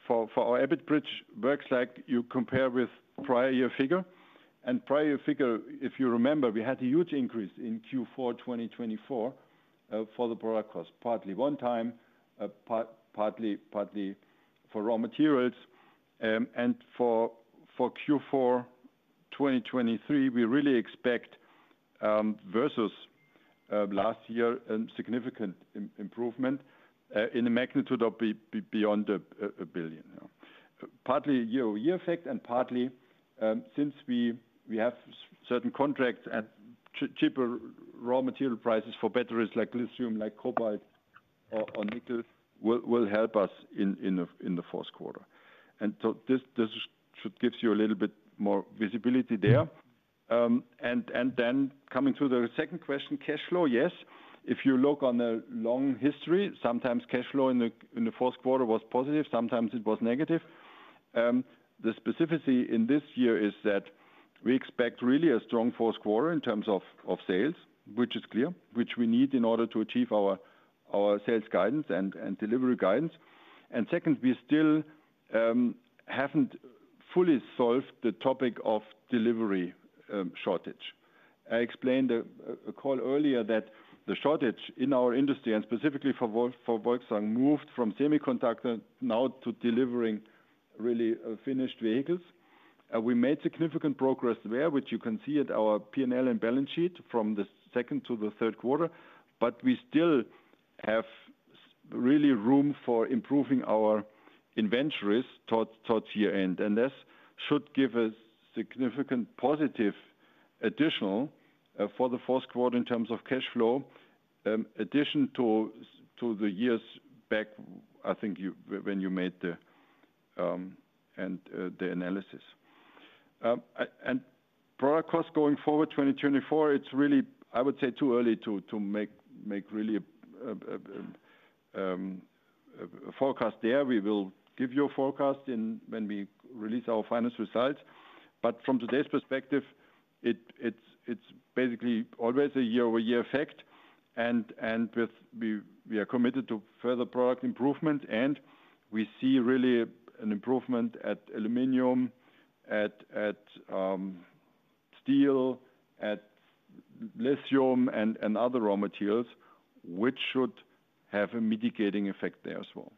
for our EBIT bridge works like you compare with prior year figure. And prior year figure, if you remember, we had a huge increase in Q4 2024 for the product cost, partly one time, partly for raw materials. And for Q4 2023, we really expect versus last year significant improvement in the magnitude of beyond 1 billion. Partly year-over-year effect, and partly, since we have certain contracts at cheaper raw material prices for batteries like lithium, like cobalt or nickel, will help us in the fourth quarter. And so this should gives you a little bit more visibility there. And then coming to the second question, cash flow. Yes, if you look on the long history, sometimes cash flow in the fourth quarter was positive, sometimes it was negative. The specificity in this year is that we expect really a strong fourth quarter in terms of sales, which is clear, which we need in order to achieve our sales guidance and delivery guidance. And second, we still haven't fully solved the topic of delivery shortage. I explained a call earlier that the shortage in our industry, and specifically for Volkswagen, moved from semiconductor now to delivering really finished vehicles. We made significant progress there, which you can see at our P&L and balance sheet from the second to the third quarter, but we still have really room for improving our inventories towards year-end. And this should give us significant positive additional for the fourth quarter in terms of cash flow, addition to to the years back, I think you when you made the and the analysis. And product costs going forward, 2024, it's really, I would say, too early to make really a forecast there. We will give you a forecast in when we release our financial results. But from today's perspective, it's basically always a year-over-year effect, and with... We are committed to further product improvement, and we see really an improvement at aluminum, at steel, at lithium and other raw materials, which should have a mitigating effect there as well.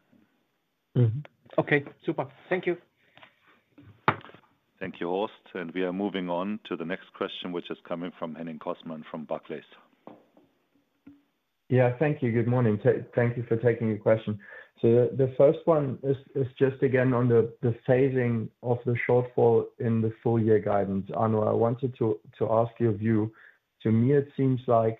Mm-hmm. Okay, super. Thank you. Thank you, Horst. We are moving on to the next question, which is coming from Henning Cosman from Barclays. Yeah, thank you. Good morning. Thank you for taking a question. So the first one is just again on the phasing of the shortfall in the full year guidance. Arno, I wanted to ask your view. To me, it seems like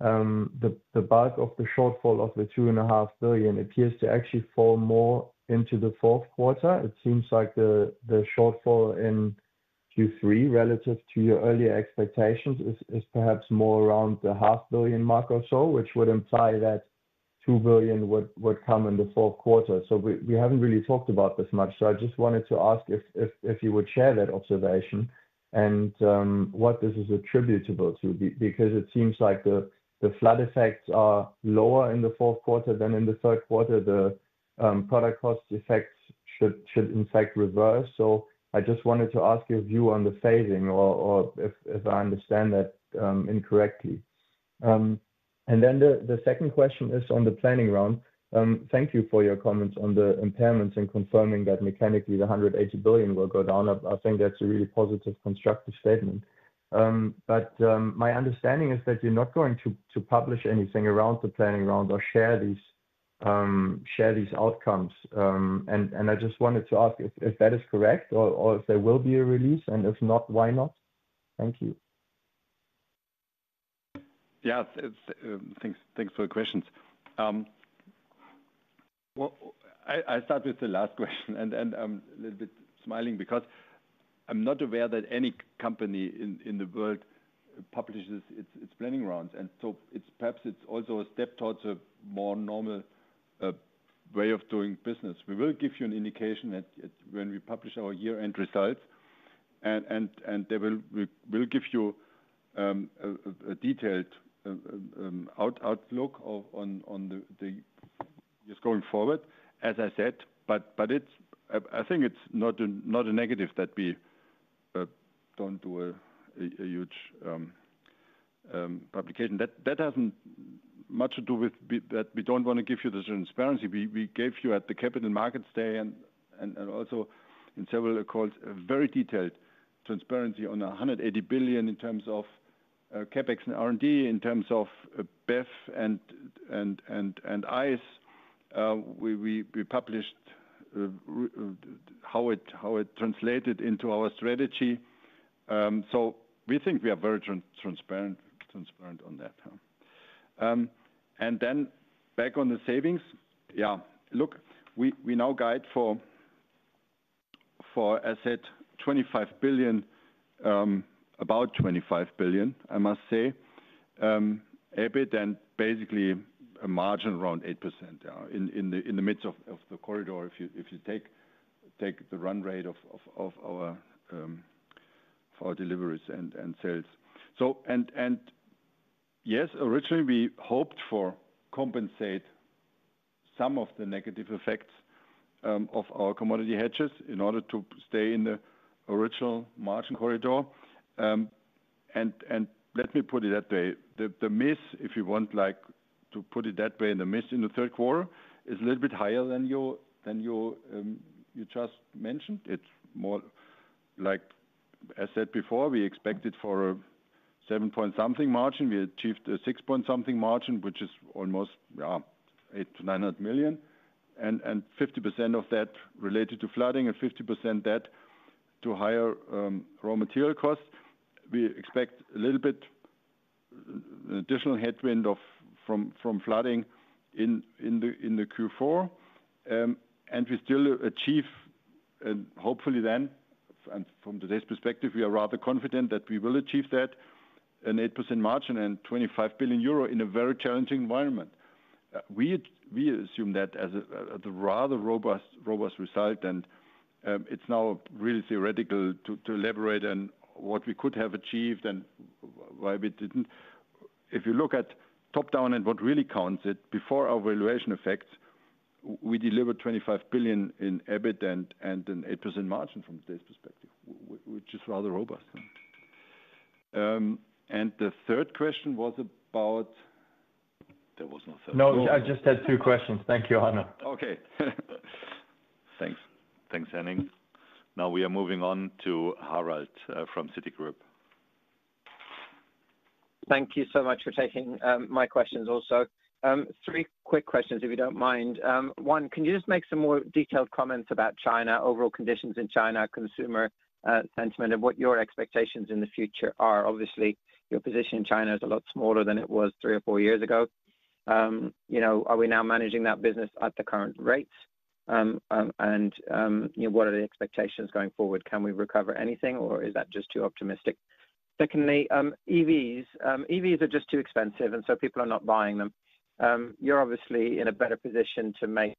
the bulk of the shortfall of the 2.5 billion appears to actually fall more into the fourth quarter. It seems like the shortfall in Q3, relative to your earlier expectations, is perhaps more around the 0.5 billion mark or so, which would imply that 2 billion would come in the fourth quarter. So we haven't really talked about this much, so I just wanted to ask if you would share that observation and what this is attributable to. Because it seems like the flood effects are lower in the fourth quarter than in the third quarter, the product cost effects should in fact reverse. So I just wanted to ask your view on the phasing or if I understand that incorrectly? And then the second question is on the planning round. Thank you for your comments on the impairments and confirming that mechanically the 180 billion will go down. I think that's a really positive, constructive statement. But my understanding is that you're not going to publish anything around the planning round or share these outcomes. And I just wanted to ask if that is correct or if there will be a release, and if not, why not? Thank you. Yeah, it's thanks for the questions. Well, I'll start with the last question, and I'm a little bit smiling because I'm not aware that any company in the world publishes its planning rounds. And so it's perhaps also a step towards a more normal way of doing business. We will give you an indication at when we publish our year-end results. And they will, we will give you a detailed outlook on the... Just going forward, as I said, but it's, I think it's not a negative that we don't do a huge publication. That hasn't much to do with that we don't want to give you the transparency. We gave you at the Capital Markets Day and also in several calls a very detailed transparency on 180 billion in terms of CapEx and R&D, in terms of BEV and ICE. We published how it translated into our strategy. So we think we are very transparent on that. And then back on the savings. Yeah, look, we now guide for, I said, 25 billion, about 25 billion, I must say. EBIT and basically a margin around 8%, in the midst of the corridor, if you take the run rate of our for our deliveries and sales. Yes, originally, we hoped to compensate some of the negative effects of our commodity hedges in order to stay in the original margin corridor. And let me put it that way. The miss, if you want like to put it that way, in the third quarter is a little bit higher than you just mentioned. It's more like I said before, we expected a 7-point-something margin. We achieved a 6-point-something margin, which is almost 800 million-900 million, and 50% of that related to flooding and 50% due to higher raw material costs. We expect a little bit additional headwind from flooding in Q4. We still achieve, and hopefully then, from today's perspective, we are rather confident that we will achieve that, an 8% margin and 25 billion euro in a very challenging environment. We assume that as a rather robust result, and it's now really theoretical to elaborate on what we could have achieved and why we didn't. If you look at top-down and what really counts, before our valuation effects, we delivered 25 billion in EBIT and an 8% margin from today's perspective, which is rather robust. The third question was about? There was no third. No, I just had two questions. Thank you, Arno. Okay. Thanks. Thanks, Henning. Now we are moving on to Harald from Citigroup. Thank you so much for taking my questions also. Three quick questions, if you don't mind. One, can you just make some more detailed comments about China, overall conditions in China, consumer sentiment, and what your expectations in the future are? Obviously, your position in China is a lot smaller than it was three or four years ago. You know, are we now managing that business at the current rates? You know, what are the expectations going forward? Can we recover anything or is that just too optimistic? Secondly, EVs. EVs are just too expensive, and so people are not buying them. You're obviously in a better position to make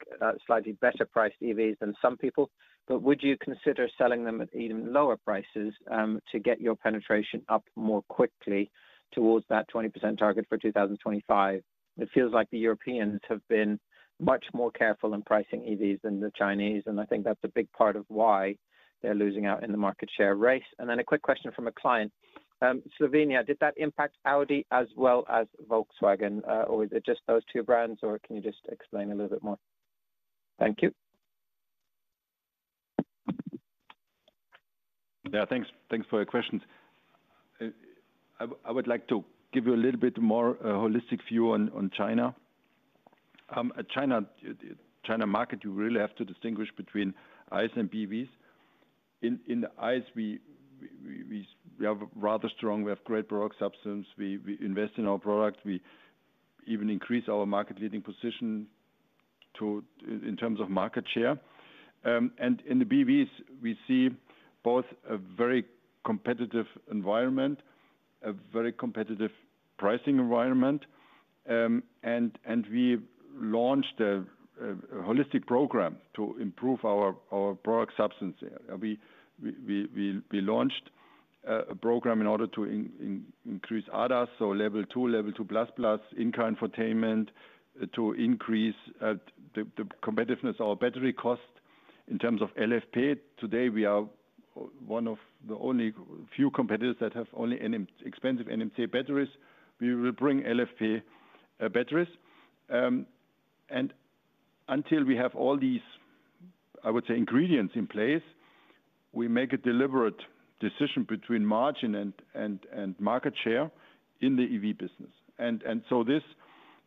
slightly better-priced EVs than some people, but would you consider selling them at even lower prices to get your penetration up more quickly towards that 20% target for 2025? It feels like the Europeans have been much more careful in pricing EVs than the Chinese, and I think that's a big part of why they're losing out in the market share race. And then a quick question from a client. Slovenia, did that impact Audi as well as Volkswagen? Or is it just those two brands, or can you just explain a little bit more? Thank you. Yeah, thanks. Thanks for your questions. I would like to give you a little bit more holistic view on China. China market, you really have to distinguish between ICE and BEVs. In the ICE, we have rather strong, we have great product substance, we invest in our product, we even increase our market-leading position to, in terms of market share. And in the BEVs, we see both a very competitive environment, a very competitive pricing environment. And we've launched a holistic program to improve our product substance. We launched a program in order to increase ADAS, so Level 2, Level 2+, in-car infotainment, to increase the competitiveness of our battery cost. In terms of LFP, today, we are one of the only few competitors that have only an expensive NMC batteries. We will bring LFP batteries. And until we have all these, I would say, ingredients in place, we make a deliberate decision between margin and market share in the EV business. And so this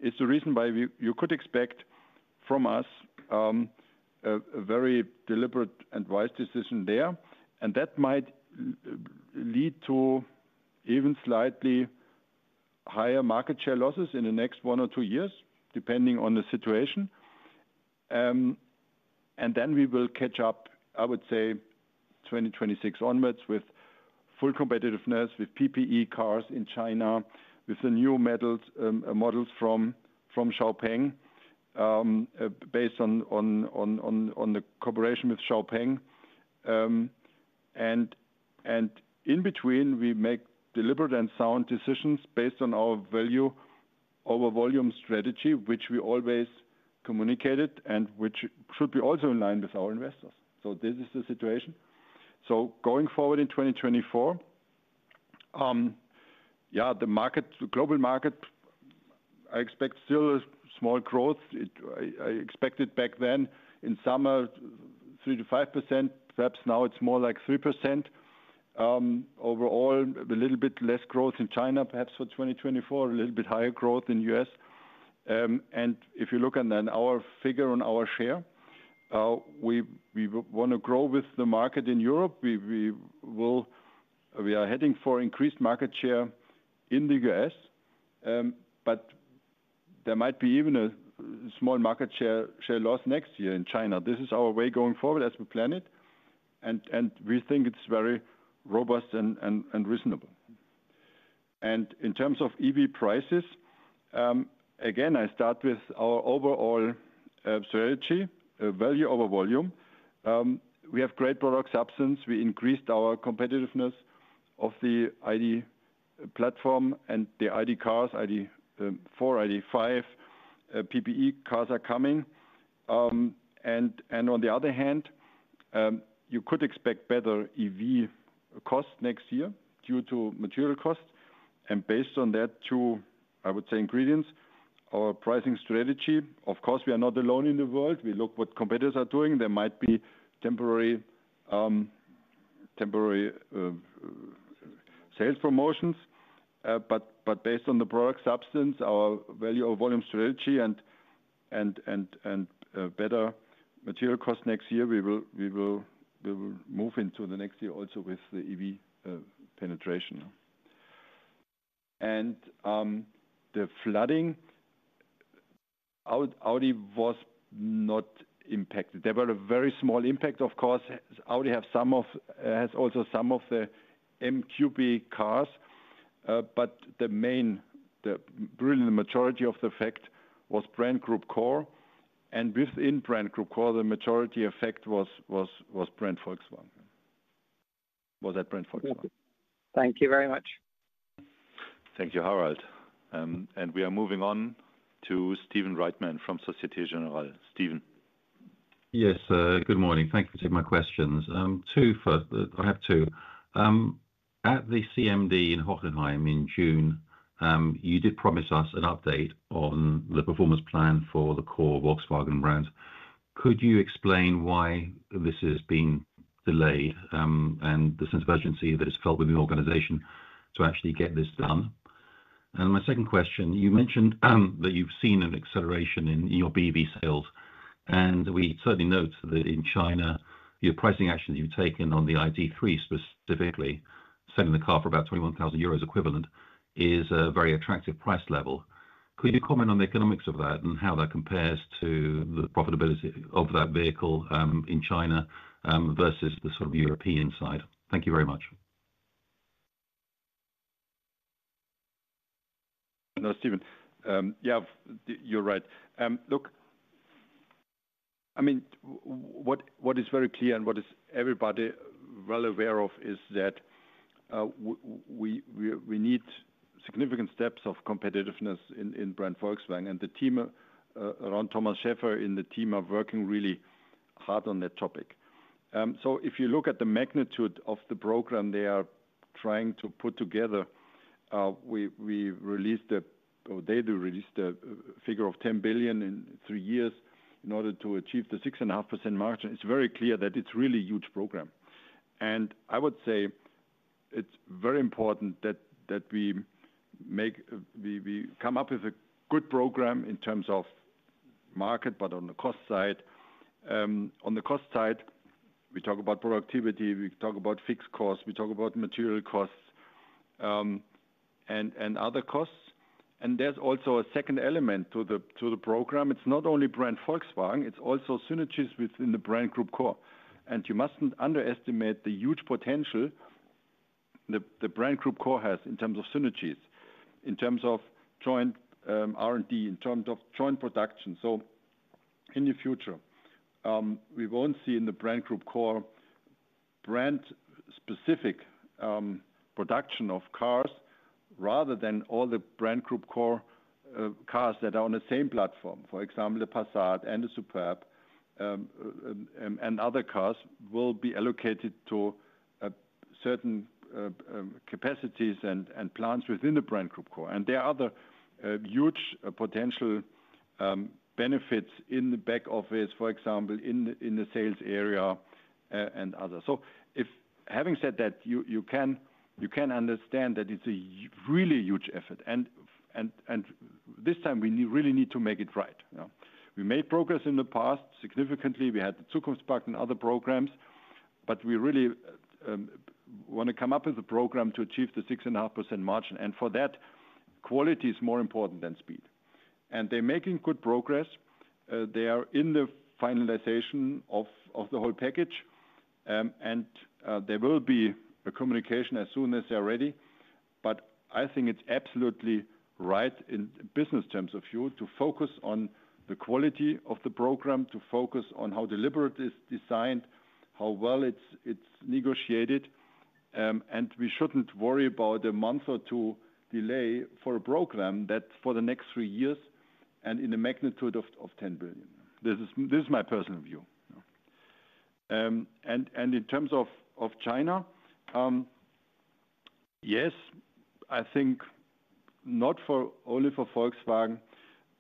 is the reason why you could expect from us a very deliberate and wise decision there, and that might lead to even slightly higher market share losses in the next one or two years, depending on the situation. And then we will catch up, I would say, 2026 onwards, with full competitiveness, with PPE cars in China, with the new models from XPeng, based on the cooperation with XPeng. And in between, we make deliberate and sound decisions based on our value, our volume strategy, which we always communicated and which should be also in line with our investors. So this is the situation. So going forward in 2024, yeah, the market, the global market, I expect still a small growth. I expected back then in summer, 3%-5%, perhaps now it's more like 3%. Overall, a little bit less growth in China, perhaps for 2024, a little bit higher growth in U.S. And if you look on then our figure on our share, we wanna grow with the market in Europe. We are heading for increased market share in the U.S., but there might be even a small market share loss next year in China. This is our way going forward as we plan it, and we think it's very robust and reasonable. And in terms of EV prices, again, I start with our overall strategy, value over volume. We have great product substance. We increased our competitiveness of the ID platform and the ID cars, ID.4, ID.5, PPE cars are coming. And on the other hand, you could expect better EV costs next year due to material costs. And based on that, too, I would say, ingredients, our pricing strategy, of course, we are not alone in the world. We look what competitors are doing. There might be temporary sales promotions, but based on the product substance, our value of volume strategy and better material cost next year, we will move into the next year also with the EV penetration. And the flooding, Audi was not impacted. There was a very small impact, of course. Audi has some of the MQB cars, but the main, the really, the majority of the effect was Brand Group Core, and within Brand Group Core, the majority effect was Brand Volkswagen. Was Brand Volkswagen. Thank you very much. Thank you, Harald. We are moving on to Stephen Reitman from Societe Generale. Stephen? Yes, good morning. Thank you for taking my questions. First, I have two. At the CMD in Hockenheim in June, you did promise us an update on the performance plan for the core Volkswagen brand. Could you explain why this is being delayed, and the sense of urgency that is felt within the organization to actually get this done? And my second question, you mentioned that you've seen an acceleration in your BEV sales, and we certainly note that in China, your pricing actions you've taken on the ID.3, specifically, selling the car for about 21,000 euros equivalent, is a very attractive price level. Could you comment on the economics of that and how that compares to the profitability of that vehicle in China versus the sort of European side? Thank you very much. No, Stephen, yeah, you're right. Look, I mean, what is very clear and what is everybody well aware of is that we need significant steps of competitiveness in brand Volkswagen, and the team around Thomas Schäfer and the team are working really hard on that topic. So if you look at the magnitude of the program they are trying to put together, we released a... Or they do release the figure of 10 billion in three years in order to achieve the 6.5% margin. It's very clear that it's really huge program. And I would say it's very important that we come up with a good program in terms of market, but on the cost side. On the cost side, we talk about productivity, we talk about fixed costs, we talk about material costs, and other costs. There's also a second element to the program. It's not only Brand Volkswagen, it's also synergies within the Brand Group Core. You mustn't underestimate the huge potential the Brand Group Core has in terms of synergies, in terms of joint R&D, in terms of joint production. In the future, we won't see in the Brand Group Core brand-specific production of cars rather than all the Brand Group Core cars that are on the same platform. For example, the Passat and the Superb, and other cars will be allocated to a certain capacities and plants within the Brand Group Core. There are other huge potential benefits in the back office, for example, in the sales area, and others. So if having said that, you can understand that it's a really huge effort and this time we really need to make it right. You know? We made progress in the past, significantly. We had the Zukunftspakt and other programs, but we really want to come up with a program to achieve the 6.5% margin, and for that, quality is more important than speed. And they're making good progress. They are in the finalization of the whole package. And there will be a communication as soon as they're ready. But I think it's absolutely right in business terms of view, to focus on the quality of the program, to focus on how deliberate it's designed, how well it's negotiated. And we shouldn't worry about a month or two delay for a program that for the next three years and in the magnitude of 10 billion. This is my personal view. And in terms of China, yes, I think not for only for Volkswagen,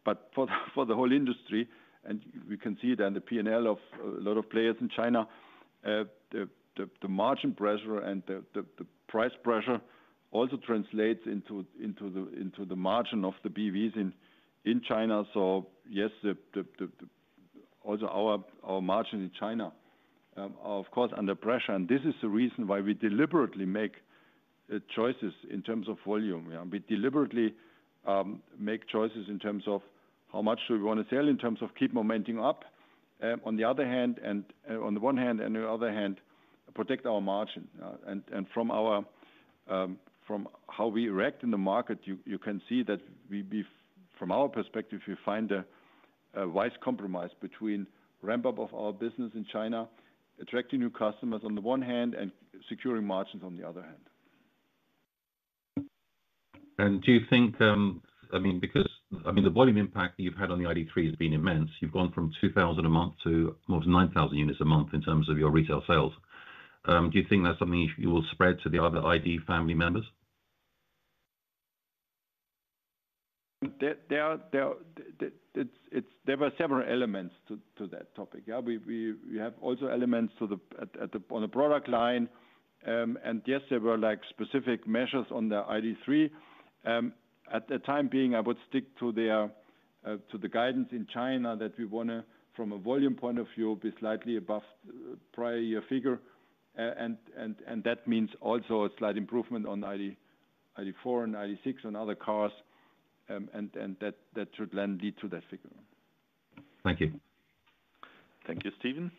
but for the whole industry, and we can see it in the P&L of a lot of players in China. The margin pressure and the price pressure also translates into the margin of the BEVs in China. So yes, the... Also our margin in China are of course under pressure, and this is the reason why we deliberately make choices in terms of volume. Yeah, we deliberately make choices in terms of how much do we want to sell, in terms of keep momenting up. On the other hand, on the one hand, and the other hand, protect our margin. And from how we react in the market, you can see that we've from our perspective, we find a wise compromise between ramp up of our business in China, attracting new customers on the one hand, and securing margins on the other hand. Do you think, I mean, because, I mean, the volume impact you've had on the ID.3 has been immense. You've gone from 2,000 a month to more than 9,000 units a month in terms of your retail sales. Do you think that's something you, you will spread to the other ID family members? There are several elements to that topic. Yeah, we have also elements on the product line. And yes, there were like specific measures on the ID.3. At the time being, I would stick to the guidance in China that we wanna, from a volume point of view, be slightly above prior year figure. And that means also a slight improvement on ID.4 and ID.6 and other cars, and that should then lead to that figure. Thank you. Thank you, Stephen.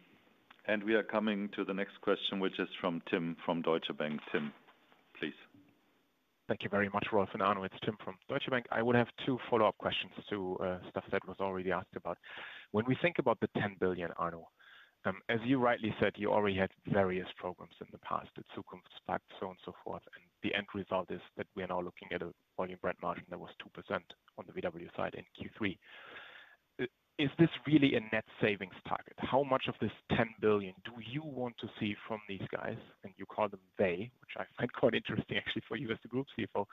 We are coming to the next question, which is from Tim, from Deutsche Bank. Tim, please. Thank you very much, Rolf and Arno. It's Tim from Deutsche Bank. I would have two follow-up questions to stuff that was already asked about. When we think about the 10 billion, Arno, as you rightly said, you already had various programs in the past, the Zukunftspakt, so on and so forth, and the end result is that we are now looking at a volume brand margin that was 2% on the VW side in Q3. Is this really a net savings target? How much of this 10 billion do you want to see from these guys? And you call them they, which I find quite interesting actually, for you as the group CFO.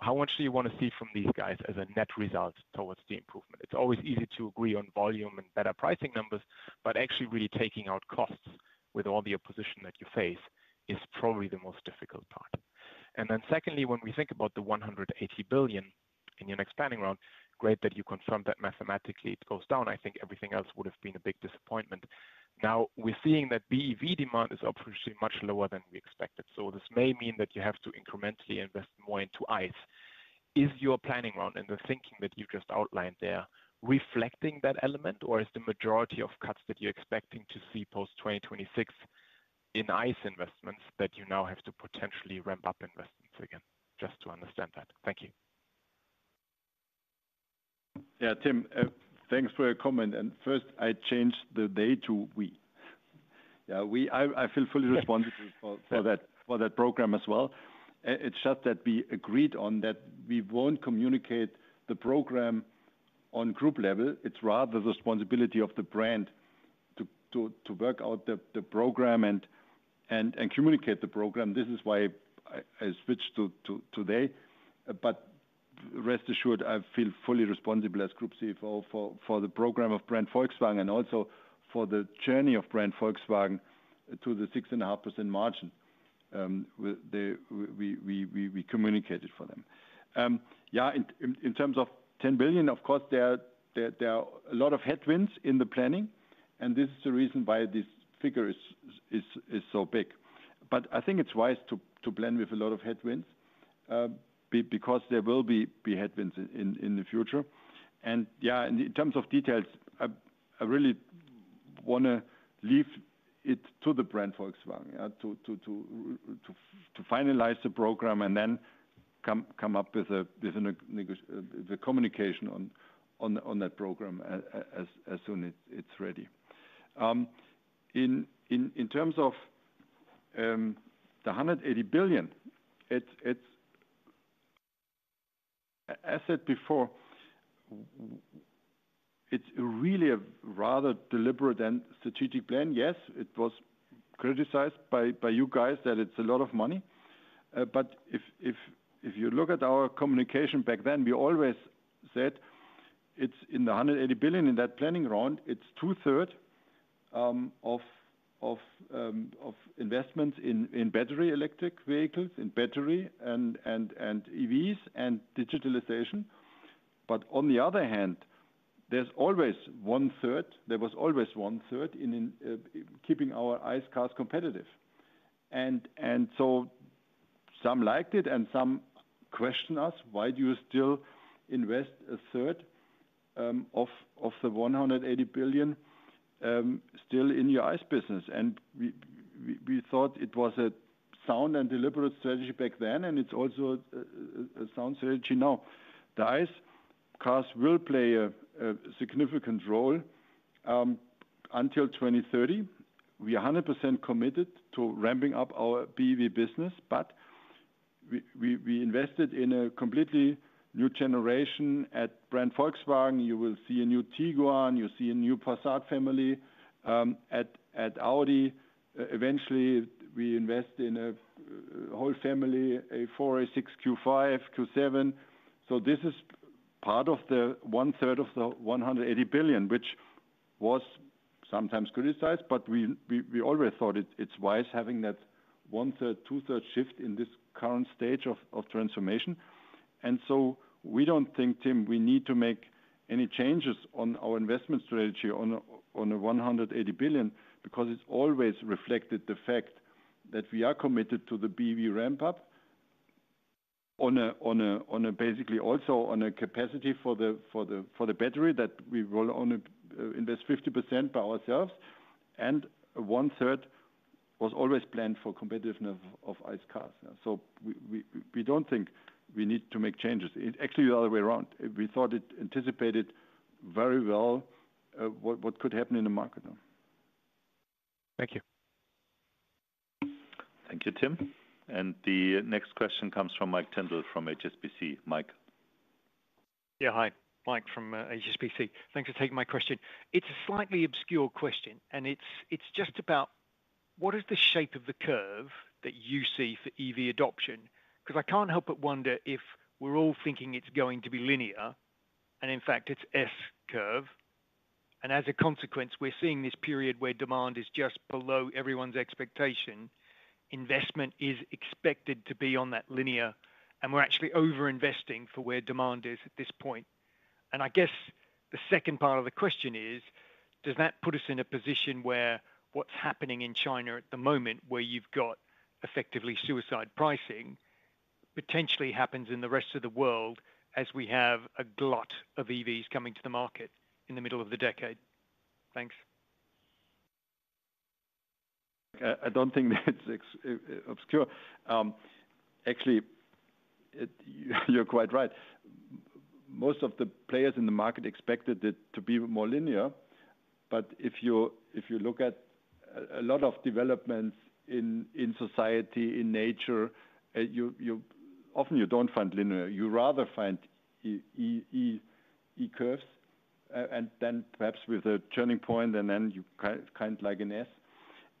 How much do you want to see from these guys as a net result towards the improvement? It's always easy to agree on volume and better pricing numbers, but actually really taking out costs with all the opposition that you face, is probably the most difficult part. Then secondly, when we think about the 180 billion in your next planning round, great that you confirmed that mathematically it goes down. I think everything else would have been a big disappointment. Now, we're seeing that BEV demand is unfortunately much lower than we expected, so this may mean that you have to incrementally invest more into ICE. Is your planning round and the thinking that you just outlined there, reflecting that element, or is the majority of cuts that you're expecting to see post-2026 in ICE investments that you now have to potentially ramp up investments again? Just to understand that. Thank you. Yeah, Tim, thanks for your comment. And first, I changed the they to we. Yeah, we... I, I feel fully responsible- Yeah For that program as well. It's just that we agreed on that we won't communicate the program on group level. It's rather the responsibility of the brand to work out the program and communicate the program. This is why I switched to today. But rest assured, I feel fully responsible as Group CFO for the program of Brand Volkswagen and also for the journey of Brand Volkswagen to the 6.5% margin. We communicated for them. In terms of 10 billion, of course, there are a lot of headwinds in the planning, and this is the reason why this figure is so big. But I think it's wise to plan with a lot of headwinds, because there will be headwinds in the future. And yeah, in terms of details, I really wanna leave it to the Brand Volkswagen, yeah, to finalize the program and then come up with the communication on that program as soon as it's ready. In terms of 180 billion, it's... I said before, it's really a rather deliberate and strategic plan. Yes, it was criticized by you guys, that it's a lot of money. But if you look at our communication back then, we always said it's 180 billion in that planning round, it's two-third of investments in battery electric vehicles, in battery and EVs and digitalization. But on the other hand, there's always one-third, there was always one-third in keeping our ICE cars competitive. And so some liked it, and some questioned us, "Why do you still invest a third of the 180 billion still in your ICE business?" And we thought it was a sound and deliberate strategy back then, and it's also a sound strategy now. The ICE cars will play a significant role until 2030. We are 100% committed to ramping up our BEV business, but we invested in a completely new generation. At brand Volkswagen, you will see a new Tiguan, you'll see a new Passat family. At Audi, eventually we invest in a whole family, A4, A6, Q5, Q7. So this is part of the one-third of the 180 billion, which was sometimes criticized, but we always thought it, it's wise having that one-third, two-thirds shift in this current stage of transformation. And so we don't think, Tim, we need to make any changes on our investment strategy on the 180 billion, because it's always reflected the fact that we are committed to the BEV ramp up basically also on a capacity for the battery that we will only invest 50% by ourselves, and one-third was always planned for competitiveness of ICE cars. So we don't think we need to make changes. It's actually the other way around. We thought it anticipated very well what could happen in the market now. Thank you. Thank you, Tim. The next question comes from Mike Tyndall, from HSBC. Mike? Yeah, hi. Mike from HSBC. Thanks for taking my question. It's a slightly obscure question, and it's just about what is the shape of the curve that you see for EV adoption? 'Cause I can't help but wonder if we're all thinking it's going to be linear, and in fact, it's S curve. And as a consequence, we're seeing this period where demand is just below everyone's expectation. Investment is expected to be on that linear, and we're actually over-investing for where demand is at this point. And I guess the second part of the question is: does that put us in a position where what's happening in China at the moment, where you've got effectively suicide pricing, potentially happens in the rest of the world as we have a glut of EVs coming to the market in the middle of the decade? Thanks. I don't think that's exactly obscure. Actually, you're quite right. Most of the players in the market expected it to be more linear, but if you look at a lot of developments in society, in nature, you often don't find linear. You rather find S curves, and then perhaps with a turning point, and then you kind of like an S.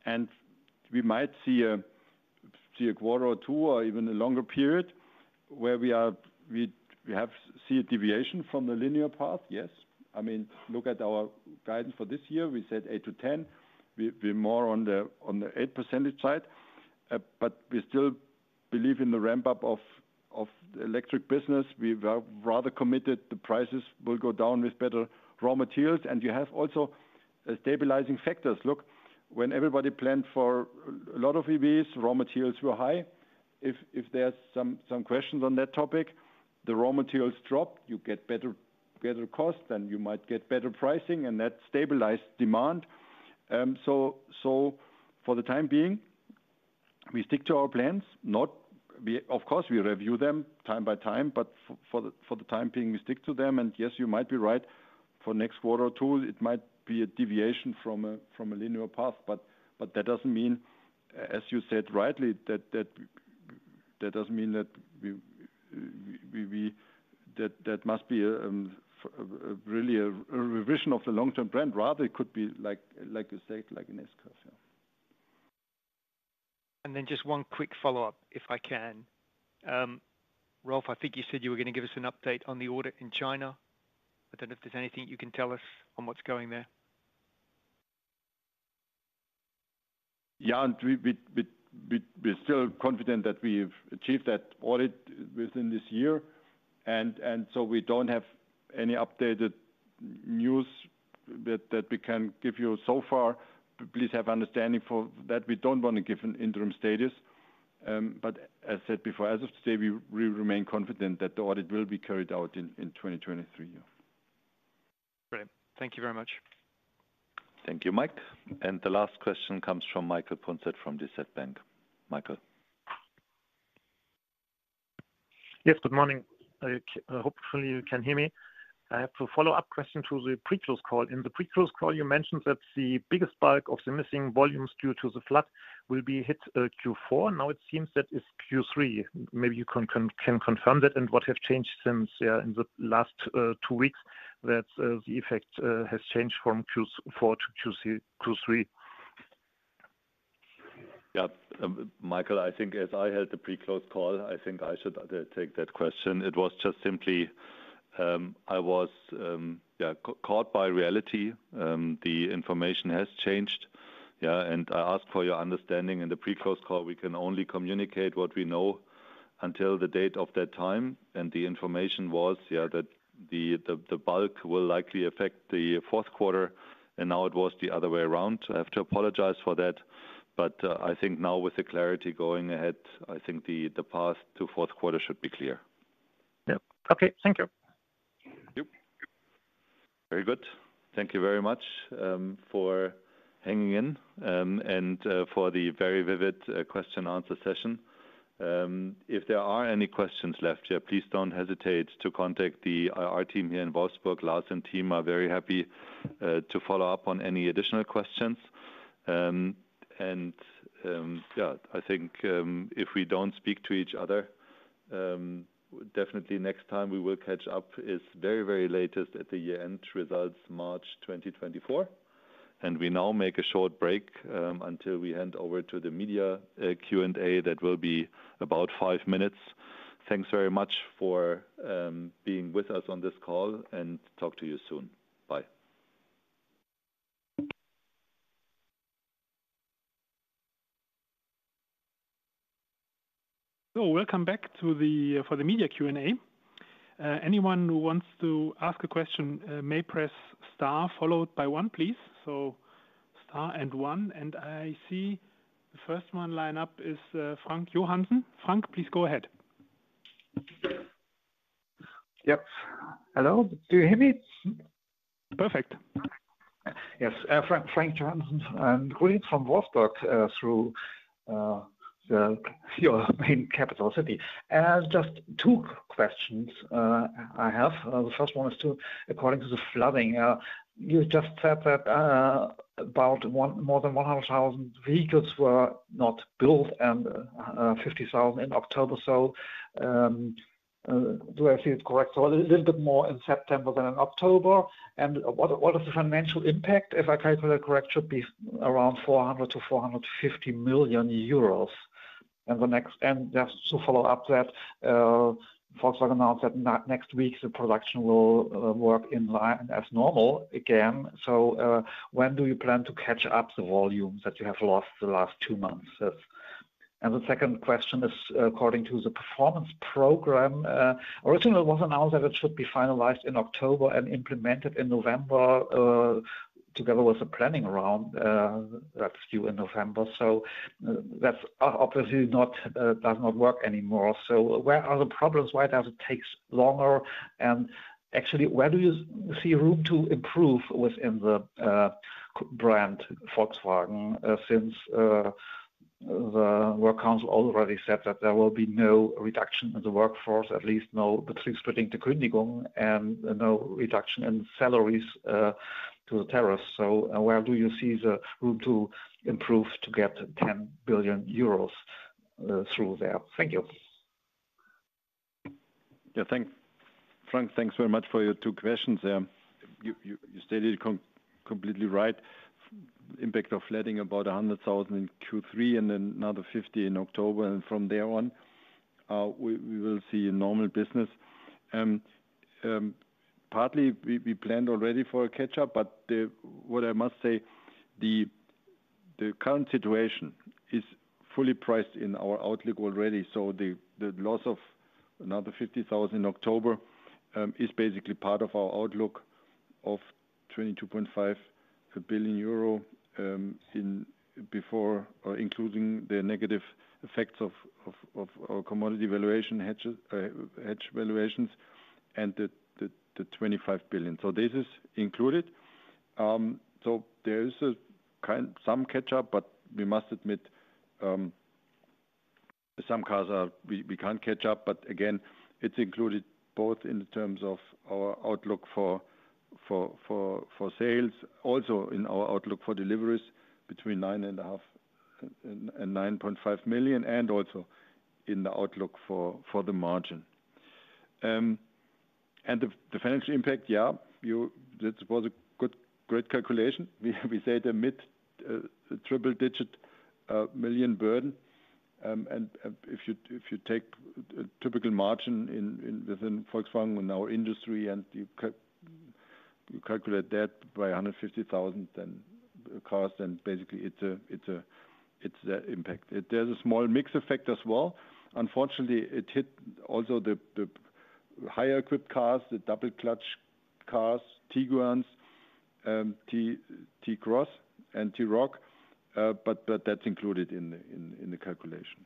And we might see a quarter or two, or even a longer period, where we have seen a deviation from the linear path. Yes. I mean, look at our guidance for this year. We said 8%-10%. We're more on the 8% side, but we still believe in the ramp-up of electric business. We're rather committed the prices will go down with better raw materials, and you have also a stabilizing factors. Look, when everybody planned for a lot of EVs, raw materials were high. If there's some questions on that topic, the raw materials drop, you get better cost, and you might get better pricing, and that stabilize demand. So for the time being, we stick to our plans. Of course, we review them from time to time, but for the time being, we stick to them. And yes, you might be right, for next quarter or two, it might be a deviation from a linear path, but that doesn't mean, as you said rightly, that that doesn't mean that we... That must be really a revision of the long-term plan. Rather, it could be like, like you said, like an S-curve, yeah. Just one quick follow-up, if I can. Ralf, I think you said you were going to give us an update on the audit in China. I don't know if there's anything you can tell us on what's going there. Yeah, and we're still confident that we've achieved that audit within this year, and so we don't have any updated news that we can give you so far. Please have understanding for that. We don't want to give an interim status, but as said before, as of today, we remain confident that the audit will be carried out in 2023. Great. Thank you very much. Thank you, Mike. And the last question comes from Michael Punzet from DZ Bank. Michael. Yes, good morning. Hopefully you can hear me. I have a follow-up question to the pre-close call. In the pre-close call, you mentioned that the biggest spike of the missing volumes due to the flood will be hit Q4. Now it seems that it's Q3. Maybe you can confirm that, and what have changed since in the last two weeks that the effect has changed from Q4 to Q3? Yeah, Michael, I think as I had the pre-close call, I think I should take that question. It was just simply, I was, yeah, caught by reality. The information has changed, yeah, and I ask for your understanding. In the pre-close call, we can only communicate what we know until the date of that time, and the information was, yeah, that the bulk will likely affect the fourth quarter, and now it was the other way around. I have to apologize for that, but I think now with the clarity going ahead, I think the path to fourth quarter should be clear. Yeah. Okay. Thank you. Thank you. Very good. Thank you very much, for hanging in, and for the very vivid, question-answer session. If there are any questions left, yeah, please don't hesitate to contact our team here in Wolfsburg. Lars and team are very happy to follow up on any additional questions. Yeah, I think, if we don't speak to each other, definitely next time we will catch up is very, very latest at the year-end results, March 2024. We now make a short break, until we hand over to the media, Q&A. That will be about five minutes. Thanks very much for being with us on this call, and talk to you soon. Bye. So welcome back to the forum for the media Q&A. Anyone who wants to ask a question may press star followed by one, please. So star and one, and I see the first one in line is Frank Johannsen. Frank, please go ahead. Yep. Hello, do you hear me? Perfect. Yes, Frank, Frank Johannsen, and greetings from Wolfsburg through your main capital city. And I have just two questions, I have. The first one is, according to the flooding, you just said that more than 100,000 vehicles were not built and 50,000 in October. So, do I see it correct, or a little bit more in September than in October? And what, what is the financial impact, if I calculate correct, should be around 400 million-450 million euros. And the next... And just to follow up that, Volkswagen announced that next week, the production will work in line as normal again. So, when do you plan to catch up the volume that you have lost the last two months? That's... The second question is, according to the performance program, originally, it was announced that it should be finalized in October and implemented in November, together with the planning round, that's due in November. So that's obviously not, does not work anymore. So where are the problems? Why does it takes longer? And actually, where do you see room to improve within the, brand Volkswagen, since, the works council already said that there will be no reduction in the workforce, at least no "Entlassung" and no reduction in salaries, to the tariffs. So where do you see the room to improve to get 10 billion euros, through there? Thank you. Yeah, thanks, Frank, thanks very much for your two questions there. You stated it completely right. Impact of flooding, about 100,000 in Q3 and then another 50,000 in October, and from there on, we will see a normal business. Partly, we planned already for a catch-up, but What I must say, the current situation is fully priced in our outlook already. So the loss of another 50,000 in October is basically part of our outlook of 22.5 billion euro, in before or including the negative effects of our commodity valuation hedges, hedge valuations and the 25 billion. So this is included. So there is a kind of some catch-up, but we must admit, some cars we can't catch up. But again, it's included both in terms of our outlook for sales, also in our outlook for deliveries between 9.5 million and 9.5 million, and also in the outlook for the margin. And the financial impact, yeah, you... That was a good, great calculation. We said a mid-triple-digit million burden. And if you take a typical margin within Volkswagen, in our industry, and you calculate that by 150,000, then basically it's the impact. There's a small mix effect as well. Unfortunately, it hit also the higher equipped cars, the double-clutch cars, Tiguans, T-Cross and T-Roc, but that's included in the calculation.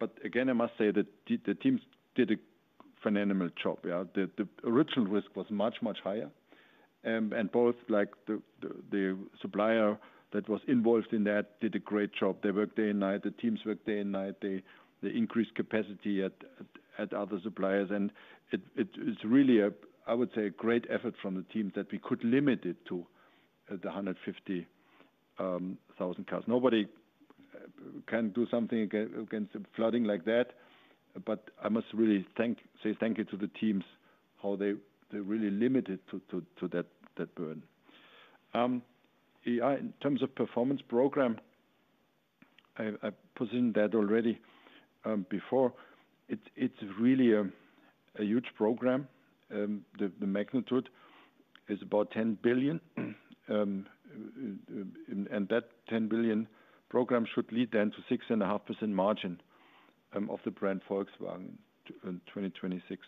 But again, I must say that the teams did a phenomenal job. Yeah, the original risk was much, much higher. And both, like the supplier that was involved in that did a great job. They worked day and night. The teams worked day and night. They increased capacity at other suppliers, and it's really a great effort from the teams that we could limit it to 150,000 cars. Nobody can do something against flooding like that, but I must really thank, say thank you to the teams, how they really limit it to that burn. Yeah, in terms of performance program, I put in that already before; it's really a huge program. The magnitude is about 10 billion, and that 10 billion program should lead then to 6.5% margin, of the brand Volkswagen in 2026.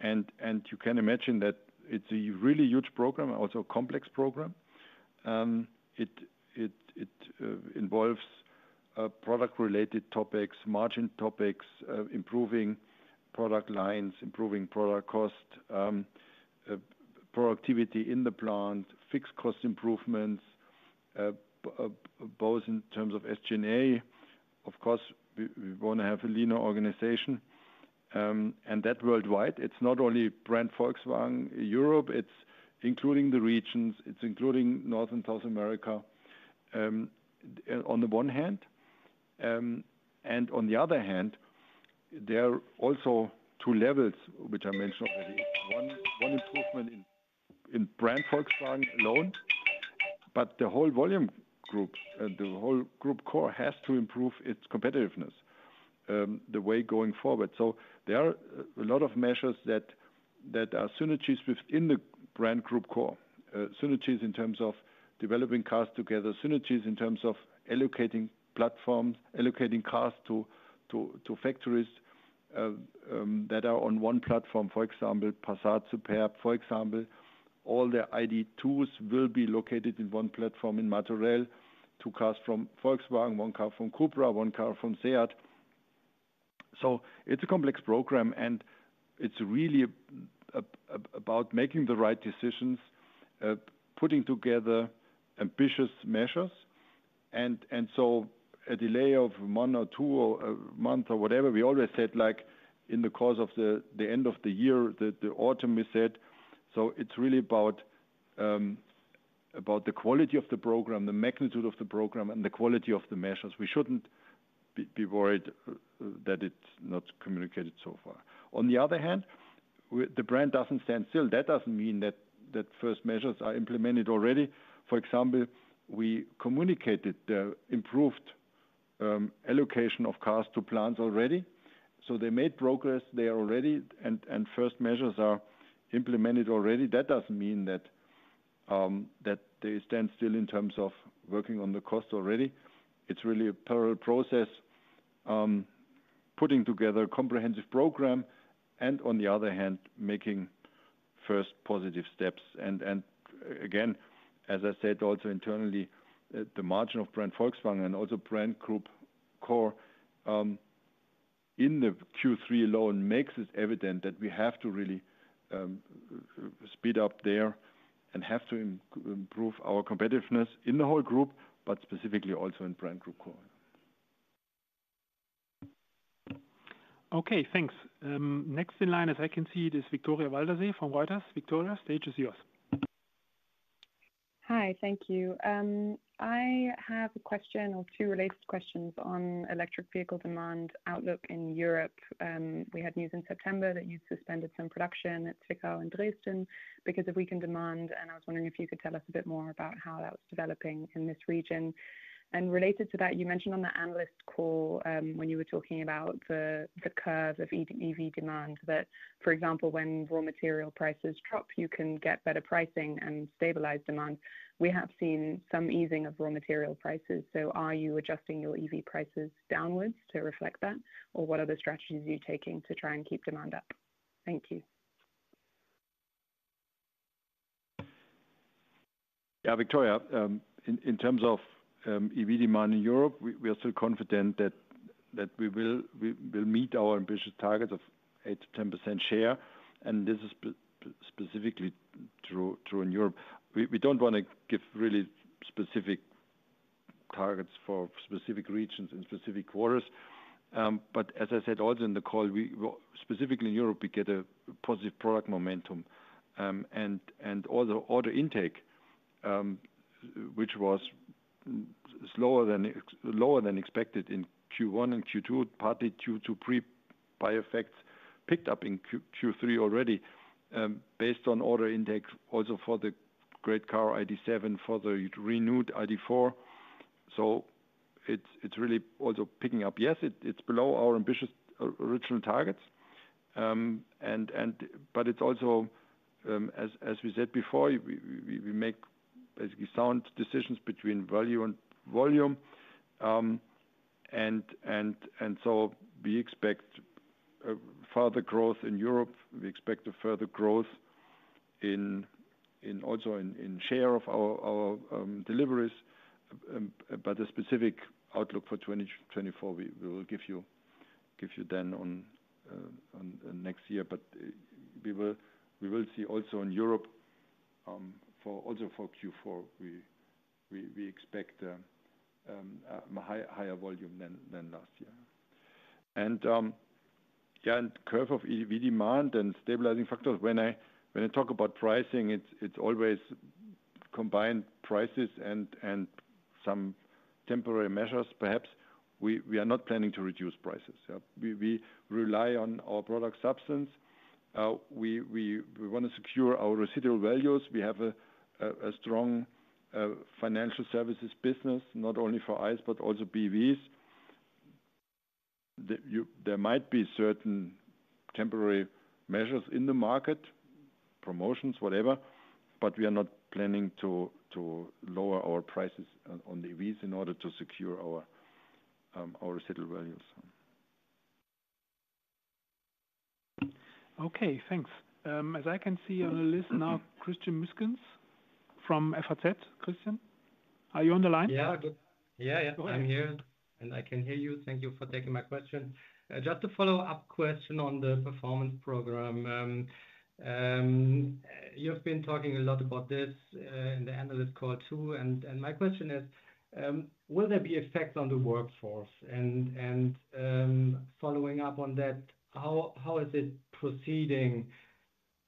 And you can imagine that it's a really huge program, also complex program. It involves product-related topics, margin topics, improving product lines, improving product cost, productivity in the plant, fixed cost improvements, both in terms of SG&A. Of course, we want to have a leaner organization, and that worldwide. It's not only brand Volkswagen, Europe, it's including the regions, it's including North and South America, on the one hand. And on the other hand, there are also two levels, which I mentioned already. One improvement in brand Volkswagen alone, but the whole Volkswagen Group, the whole group core has to improve its competitiveness, the way going forward. So there are a lot of measures that are synergies within the Brand Group Core. Synergies in terms of developing cars together, synergies in terms of allocating platforms, allocating cars to factories that are on one platform, for example, Passat, Superb, for example. All the ID.2s will be located in one platform in Martorell, two cars from Volkswagen, one car from CUPRA, one car from SEAT. So it's a complex program, and it's really about making the right decisions, putting together ambitious measures. So a delay of two or two or a month or whatever, we always said, like in the course of the end of the year, the autumn, we said. So it's really about the quality of the program, the magnitude of the program, and the quality of the measures. We shouldn't be worried that it's not communicated so far. On the other hand, the brand doesn't stand still. That doesn't mean that first measures are implemented already. For example, we communicated the improved allocation of cars to plants already. So they made progress there already, and first measures are implemented already. That doesn't mean that they stand still in terms of working on the cost already. It's really a parallel process, putting together a comprehensive program and on the other hand, making first positive steps. Again, as I said, also internally, the margin of Brand Volkswagen and also Brand Group Core in the Q3 alone makes it evident that we have to really speed up there and have to improve our competitiveness in the whole group, but specifically also in Brand Group Core. Okay, thanks. Next in line, as I can see, it is Victoria Waldersee from Reuters. Victoria, the stage is yours. Hi, thank you. I have a question or two related questions on electric vehicle demand outlook in Europe. We had news in September that you suspended some production at Zwickau and Dresden because of weakened demand, and I was wondering if you could tell us a bit more about how that was developing in this region. Related to that, you mentioned on the analyst call, when you were talking about the, the curve of EV demand, that, for example, when raw material prices drop, you can get better pricing and stabilize demand. We have seen some easing of raw material prices, so are you adjusting your EV prices downwards to reflect that? Or what other strategies are you taking to try and keep demand up? Thank you. Yeah, Victoria, in terms of EV demand in Europe, we are still confident that we will meet our ambitious target of 8%-10% share, and this is specifically true in Europe. We don't want to give really specific targets for specific regions and specific quarters. But as I said, also in the call, specifically in Europe, we get a positive product momentum. And all the order intake, which was slower, lower than expected in Q1 and Q2, partly due to pre-buy effects, picked up in Q3 already, based on order intake also for the great car ID.7, for the renewed ID.4. So it's really also picking up. Yes, it's below our ambitious original targets, but it's also, as we said before, we make basically sound decisions between value and volume. So we expect further growth in Europe. We expect a further growth in share of our deliveries, but the specific outlook for 2024, we will give you then on next year. But we will see also in Europe, for Q4, we expect a higher volume than last year. And yeah, and curve of EV demand and stabilizing factors, when I talk about pricing, it's always combined prices and some temporary measures perhaps. We are not planning to reduce prices. We rely on our product substance. We want to secure our residual values. We have a strong financial services business, not only for ICE but also BEVs. There might be certain temporary measures in the market, promotions, whatever, but we are not planning to lower our prices on the EVs in order to secure our residual values. Okay, thanks. As I can see on the list now, Christian Müßgens from F.A.Z. Christian, are you on the line? Yeah. Good. Yeah, yeah- Go ahead. I'm here, and I can hear you. Thank you for taking my question. Just a follow-up question on the performance program. You've been talking a lot about this in the analyst call, too, and my question is, will there be effects on the workforce? And following up on that, how is it proceeding,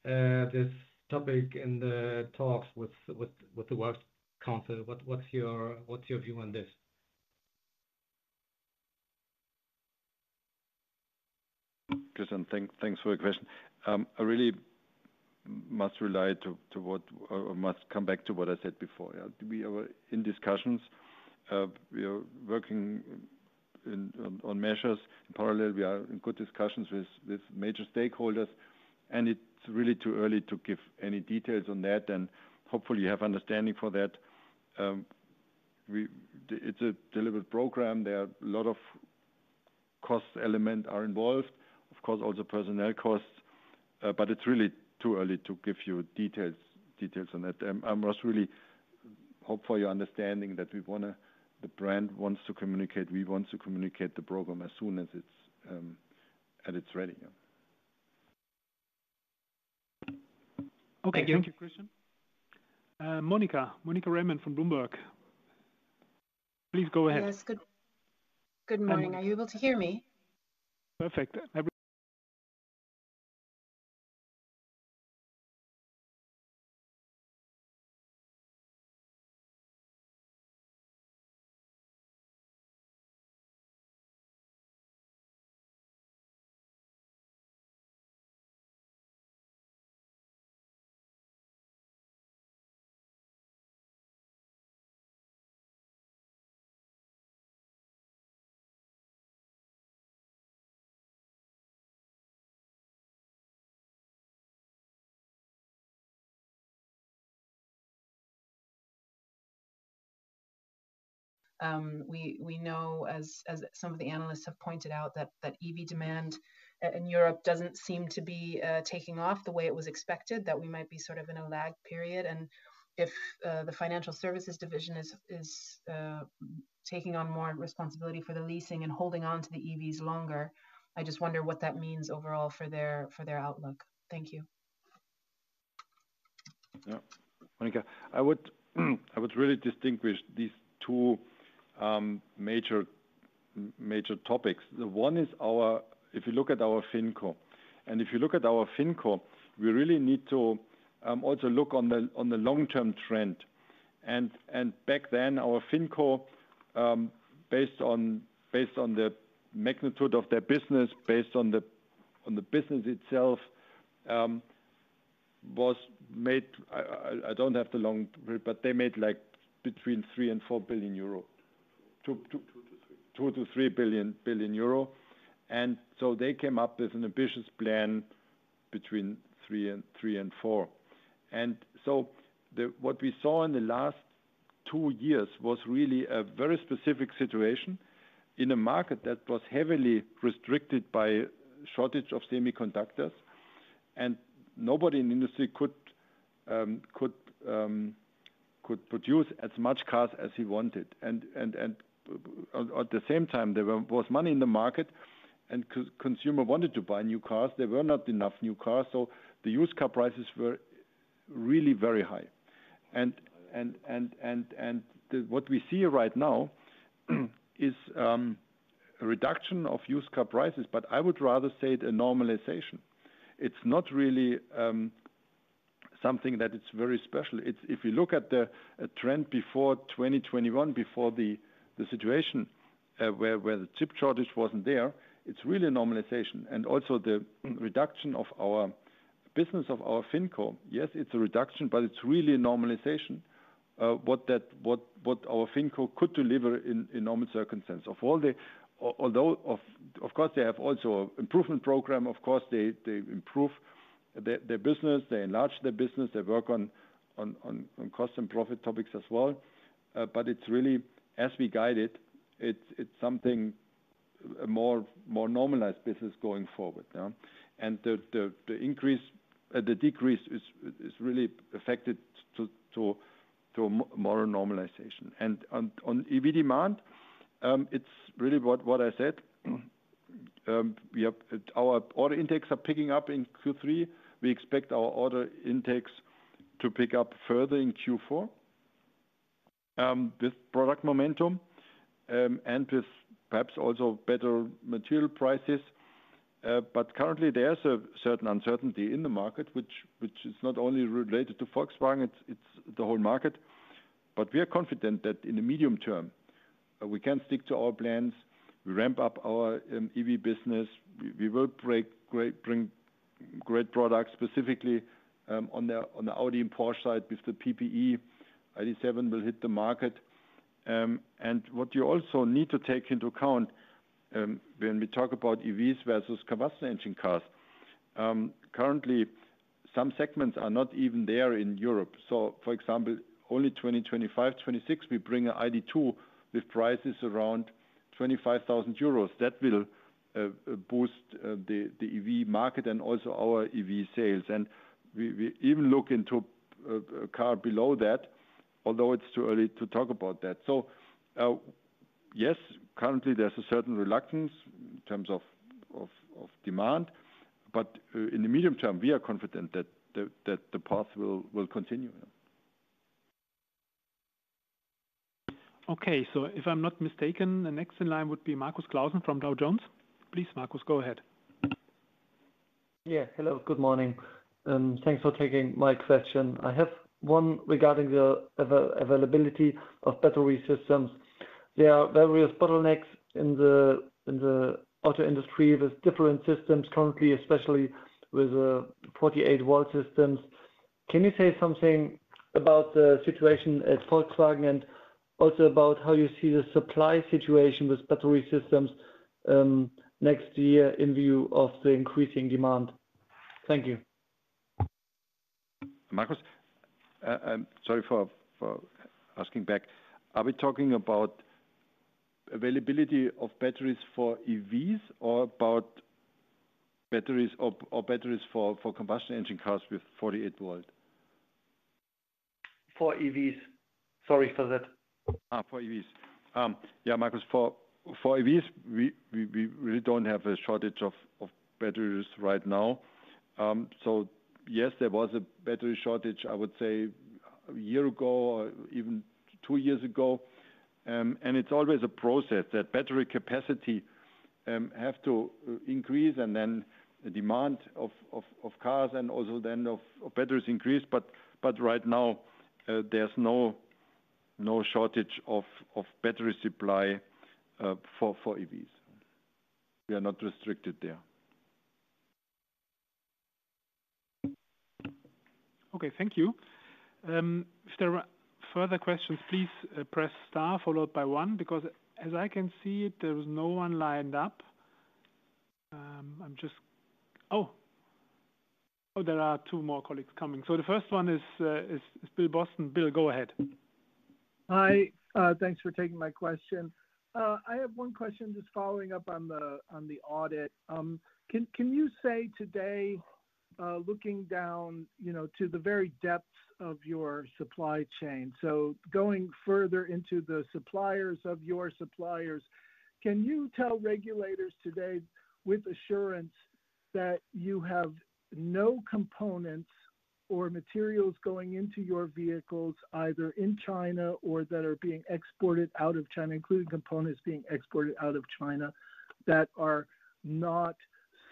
this topic in the talks with the Works Council? What's your view on this? Christian, thanks for your question. I really must come back to what I said before. Yeah, we are in discussions. We are working on measures. In parallel, we are in good discussions with major stakeholders, and it's really too early to give any details on that, and hopefully you have understanding for that. It's a deliberate program. There are a lot of cost elements involved, of course, also personnel costs, but it's really too early to give you details on that. I must really hope for your understanding that we want to... The brand wants to communicate, we want to communicate the program as soon as it's at its ready. Okay. Thank you. Thank you, Christian. Monica, Monica Raymunt from Bloomberg. Please go ahead. Yes, good, good morning. Um- Are you able to hear me? Perfect. Every- We know, as some of the analysts have pointed out, that EV demand in Europe doesn't seem to be taking off the way it was expected, that we might be sort of in a lag period. And if the financial services division is taking on more responsibility for the leasing and holding onto the EVs longer, I just wonder what that means overall for their outlook. Thank you. Yeah. Monica, I would really distinguish these two major topics. The one is our. If you look at our FinCo, and if you look at our FinCo, we really need to also look on the, on the long-term trend. And back then, our FinCo, based on, based on the magnitude of their business, based on the, on the business itself, was made. I don't have the long, but they made, like, between 3 billion and 4 billion euro. 2 million-3 million. 2 million-3 billion. And so they came up with an ambitious plan between 3 million and 4 million. What we saw in the last two years was really a very specific situation in a market that was heavily restricted by shortage of semiconductors, and nobody in the industry could produce as much cars as he wanted. And at the same time, there was money in the market, and consumer wanted to buy new cars. There were not enough new cars, so the used car prices were really very high. And what we see right now is a reduction of used car prices, but I would rather say it a normalization. It's not really something that it's very special. It's—If you look at the trend before 2021, before the situation where the chip shortage wasn't there, it's really a normalization. And also the reduction of our business of our FinCo. Yes, it's a reduction, but it's really a normalization. What our FinCo could deliver in normal circumstances. Although of course, they have also improvement program. Of course, they improve their business, they enlarge their business, they work on cost and profit topics as well. But it's really, as we guide it, a more normalized business going forward, yeah? And the increase, the decrease is really affected to modern normalization. And on EV demand, it's really what I said. We have our order intakes are picking up in Q3. We expect our order intakes to pick up further in Q4, with product momentum, and with perhaps also better material prices. But currently, there's a certain uncertainty in the market, which is not only related to Volkswagen, it's the whole market. But we are confident that in the medium term, we can stick to our plans. We ramp up our EV business. We will bring great products, specifically, on the Audi and Porsche side, with the PPE, ID.7 will hit the market. And what you also need to take into account, when we talk about EVs versus combustion engine cars, currently, some segments are not even there in Europe. So for example, only 2025, 2026, we bring ID.2 with prices around 25,000 euros. That will boost the EV market and also our EV sales. And we even look into a car below that, although it's too early to talk about that. So yes, currently there's a certain reluctance in terms of demand, but in the medium term, we are confident that the path will continue. Okay, so if I'm not mistaken, the next in line would be Markus Klausen from Dow Jones. Please, Markus, go ahead. Yeah. Hello, good morning, and thanks for taking my question. I have one regarding the availability of battery systems. There are various bottlenecks in the, in the auto industry with different systems currently, especially with 48 volt systems. Can you say something about the situation at Volkswagen, and also about how you see the supply situation with battery systems next year in view of the increasing demand? Thank you. Markus, sorry for asking back. Are we talking about availability of batteries for EVs or about batteries or batteries for combustion engine cars with 48-volt? For EVs. Sorry for that. Ah, for EVs. Yeah, Markus, for EVs, we really don't have a shortage of batteries right now. So yes, there was a battery shortage, I would say, a year ago or even two years ago. And it's always a process, that battery capacity have to increase, and then the demand of cars and also then of batteries increase. But right now, there's no shortage of battery supply for EVs. We are not restricted there. Okay. Thank you. If there are further questions, please press star followed by one, because as I can see, there is no one lined up. I'm just... Oh! Oh, there are two more colleagues coming. So the first one is Bill Boston. Bill, go ahead. Hi. Thanks for taking my question. I have one question, just following up on the audit. Can you say today, looking down, you know, to the very depths of your supply chain, so going further into the suppliers of your suppliers, can you tell regulators today with assurance that you have no components or materials going into your vehicles, either in China or that are being exported out of China, including components being exported out of China, that are not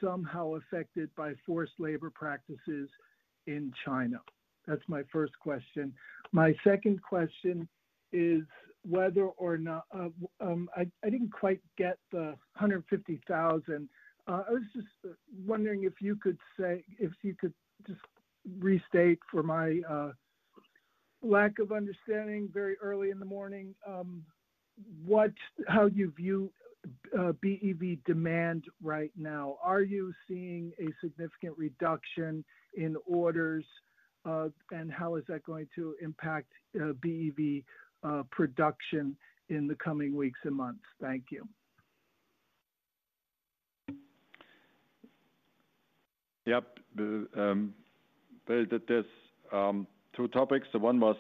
somehow affected by forced labor practices in China? That's my first question. My second question is, whether or not... I didn't quite get the 150,000. I was just wondering if you could just restate for my lack of understanding very early in the morning, how you view BEV demand right now. Are you seeing a significant reduction in orders? And how is that going to impact BEV production in the coming weeks and months? Thank you. Yep. Bill, there's two topics. One was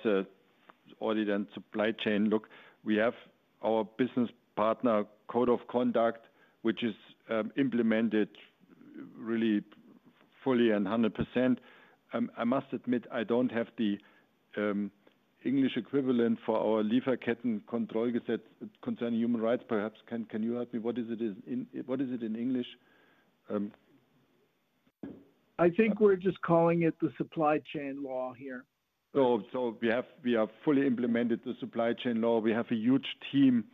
audit and supply chain. Look, we have our business partner code of conduct, which is implemented really fully and 100%. I must admit, I don't have the English equivalent for our Lieferkettenkontrollgesetz concerning human rights. Perhaps, can you help me? What is it in English? I think we're just calling it the supply chain law here. Oh, so we have fully implemented the supply chain law. We have a huge team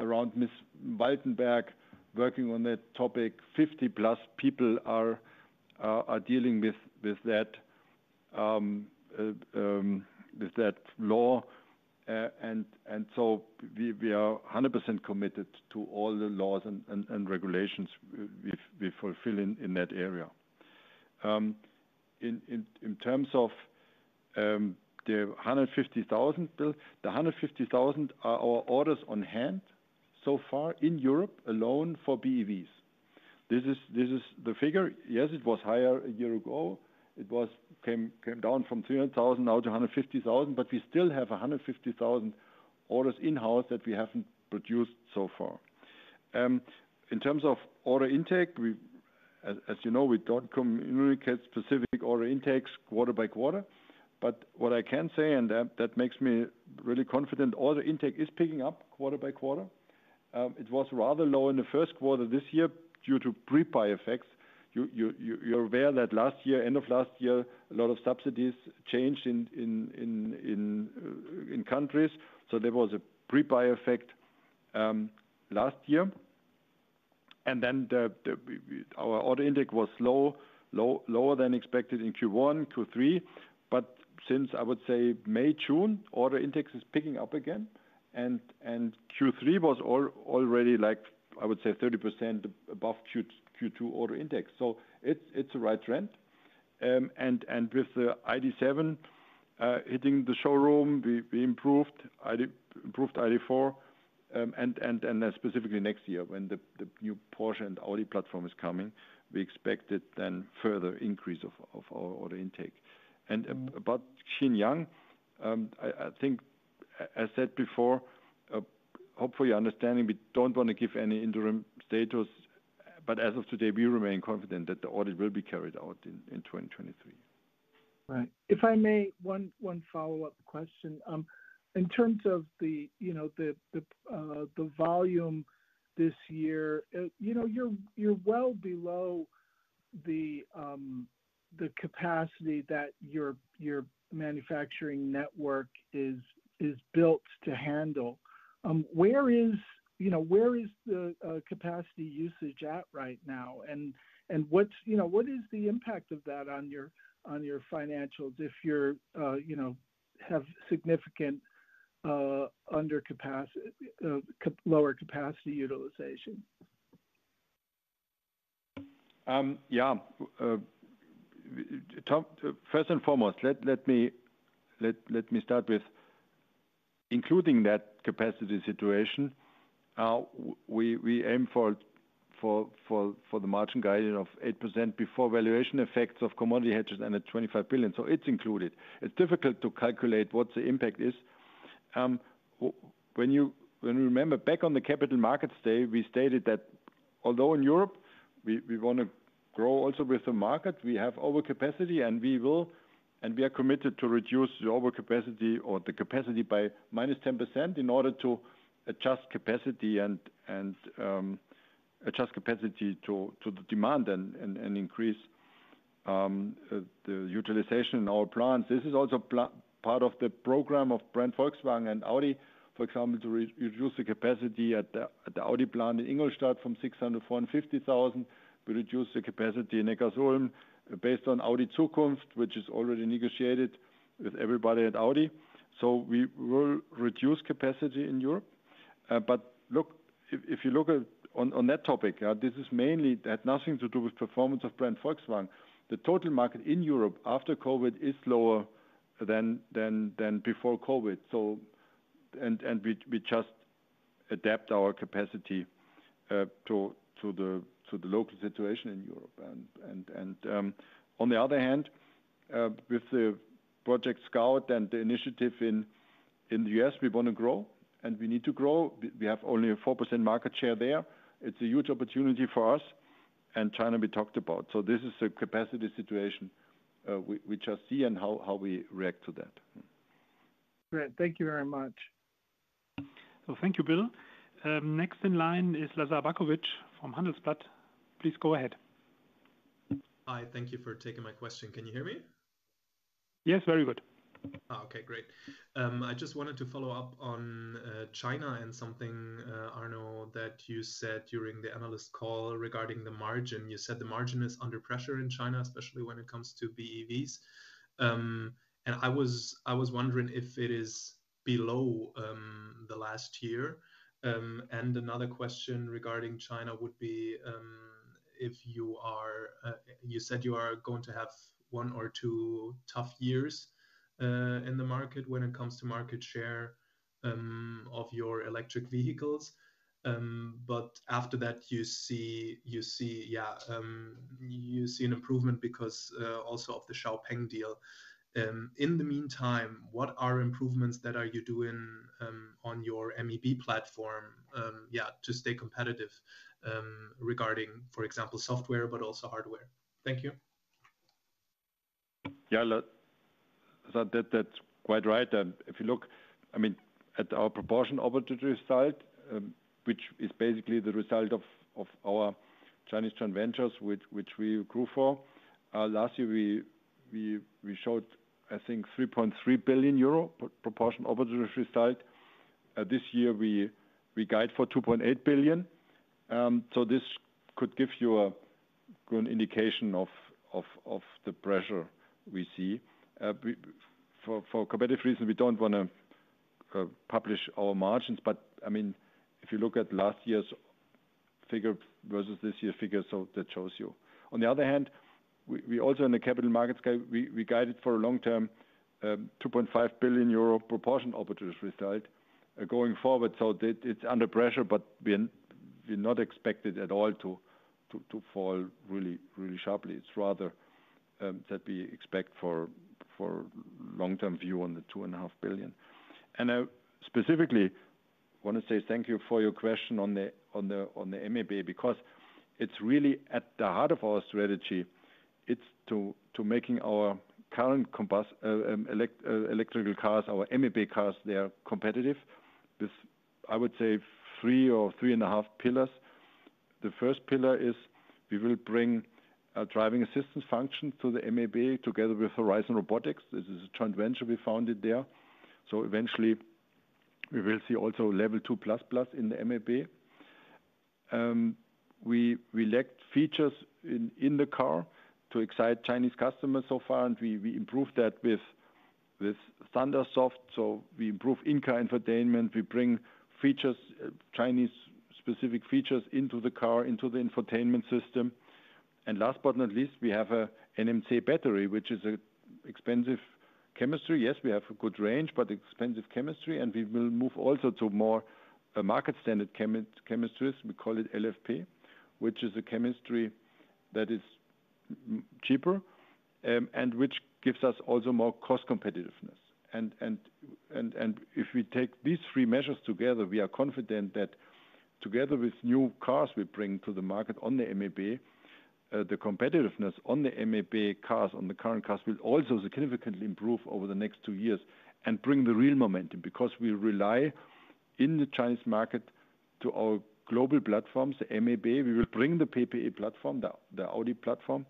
around Miss Waltenberg working on that topic. 50+ people are dealing with that law. And so we are 100% committed to all the laws and regulations we are fulfilling in that area. In terms of the 150,000 Bill, the 150,000 are our orders on hand so far in Europe alone for BEVs. This is the figure. Yes, it was higher a year ago. It came down from 300,000 now to 150,000, but we still have 150,000 orders in-house that we haven't produced so far. In terms of order intake, as you know, we don't communicate specific order intakes quarter by quarter. But what I can say, and that makes me really confident, order intake is picking up quarter by quarter. It was rather low in the first quarter this year due to pre-buy effects. You're aware that last year, end of last year, a lot of subsidies changed in countries, so there was a pre-buy effect last year. And then our order intake was lower than expected in Q1, Q3. But since, I would say, May, June, order intakes is picking up again, and Q3 was already like, I would say, 30% above Q2 order index. So it's a right trend. With the ID.7 hitting the showroom, we improved ID, improved ID.4. Then specifically next year, when the new Porsche and Audi platform is coming, we expect it then further increase of our order intake. About Xinyang, I think, as I said before, hopefully you're understanding we don't want to give any interim status. But as of today, we remain confident that the audit will be carried out in 2023. Right. If I may, one follow-up question. In terms of the, you know, the volume this year, you know, you're well below the capacity that your manufacturing network is built to handle. Where is... You know, where is the capacity usage at right now? And, you know, what is the impact of that on your financials if you're, you know, have significant undercapacity, lower capacity utilization? Yeah. First and foremost, let me start with including that capacity situation. We aim for the margin guidance of 8% before valuation effects of commodity hedges and at 25 billion. So it's included. It's difficult to calculate what the impact is. When you remember, back on the Capital Markets Day, we stated that although in Europe we want to grow also with the market, we have overcapacity, and we are committed to reduce the overcapacity or the capacity by -10% in order to adjust capacity and the utilization in our plants. This is also part of the program of brand Volkswagen and Audi, for example, to reduce the capacity at the Audi plant in Ingolstadt from 600,000 to 450,000. We reduce the capacity in Neckarsulm based on Audi Zukunft, which is already negotiated with everybody at Audi. So we will reduce capacity in Europe. But look, if you look at on that topic, this is mainly that nothing to do with performance of brand Volkswagen. The total market in Europe after COVID is lower than before COVID, so... And we just adapt our capacity to the local situation in Europe. And on the other hand, with the Project Scout and the initiative in the U.S., we want to grow, and we need to grow. We have only a 4% market share there. It's a huge opportunity for us, and China, we talked about. So this is the capacity situation, we just see and how we react to that. Great. Thank you very much. Thank you, Bill. Next in line is Lazar Backovic from Handelsblatt. Please go ahead. Hi, thank you for taking my question. Can you hear me? Yes, very good. Oh, okay, great. I just wanted to follow up on China and something, Arno, that you said during the analyst call regarding the margin. You said the margin is under pressure in China, especially when it comes to BEVs. And I was wondering if it is below the last year. And another question regarding China would be, if you are... You said you are going to have one or two tough years in the market when it comes to market share of your electric vehicles. But after that, you see an improvement because also of the XPeng deal. In the meantime, what are improvements that are you doing on your MEB platform to stay competitive regarding, for example, software, but also hardware? Thank you. Yeah, so that, that's quite right. If you look, I mean, at our proportion opportunity side, which is basically the result of our Chinese joint ventures, which we grew for. Last year, we showed, I think, 3.3 billion euro proportion opportunity side. This year, we guide for 2.8 billion. So this could give you a good indication of the pressure we see. For competitive reasons, we don't want to publish our margins, but I mean, if you look at last year's figure versus this year's figures, so that shows you. On the other hand, we also in the capital markets guide, we guided for a long-term, 2.5 billion euro proportion opportunities restart, going forward. So that it's under pressure, but we're not expected at all to fall really, really sharply. It's rather that we expect for long-term view on the 2.5 billion. And I specifically want to say thank you for your question on the MEB, because it's really at the heart of our strategy. It's to making our current electrical cars, our MEB cars, they are competitive. This, I would say, three or three and a half pillars. The first pillar is we will bring a driving assistance function to the MEB together with Horizon Robotics. This is a joint venture we founded there. So eventually, we will see also level two plus in the MEB. We lacked features in the car to excite Chinese customers so far, and we improved that with ThunderSoft, so we improve in-car infotainment. We bring features, Chinese-specific features into the car, into the infotainment system. And last but not least, we have a NMC battery, which is a expensive chemistry. Yes, we have a good range, but expensive chemistry, and we will move also to more a market-standard chemistry. We call it LFP, which is a chemistry that is cheaper, and which gives us also more cost competitiveness. And if we take these three measures together, we are confident that together with new cars we bring to the market on the MEB, the competitiveness on the MEB cars, on the current cars, will also significantly improve over the next two years and bring the real momentum. Because we rely in the Chinese market to our global platforms, the MEB. We will bring the PPE platform, the Audi platform,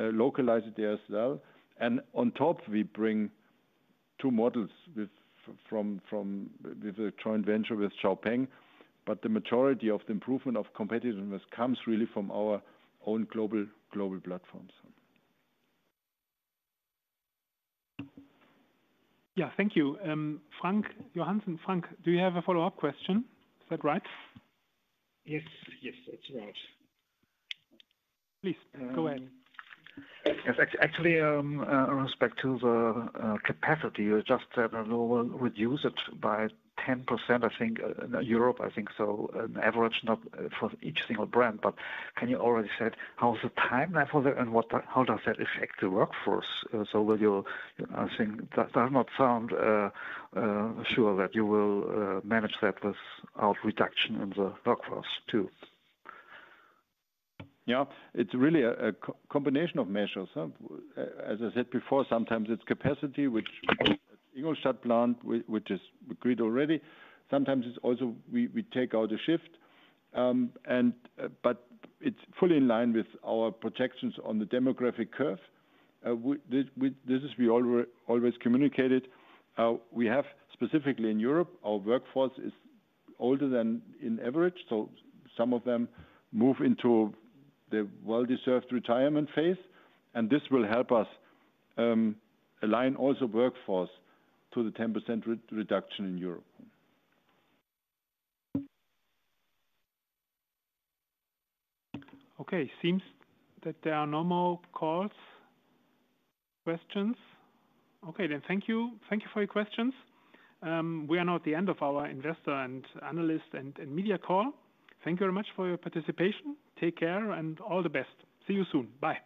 localize it there as well. And on top, we bring two models with a joint venture with XPeng. But the majority of the improvement of competitiveness comes really from our own global platforms. Yeah, thank you. Frank Johannsen. Frank, do you have a follow-up question? Is that right? Yes, yes, that's right. Please, go ahead. Yes. Actually, respect to the capacity, you just said that you will reduce it by 10%, I think, in Europe, I think so, on average, not for each single brand. But can you already said how's the timeline for that, and what does—how does that affect the workforce? So will you, I think, that does not sound sure that you will manage that without reduction in the workforce, too. Yeah. It's really a combination of measures. As I said before, sometimes it's capacity, which Ingolstadt plant, which is agreed already. Sometimes it's also we take out a shift, and but it's fully in line with our projections on the demographic curve. This is what we always communicated. We have specifically in Europe, our workforce is older than average, so some of them move into the well-deserved retirement phase, and this will help us align also workforce to the 10% reduction in Europe. Okay, seems that there are no more calls, questions. Okay, then thank you. Thank you for your questions. We are now at the end of our investor and analyst and media call. Thank you very much for your participation. Take care and all the best. See you soon. Bye.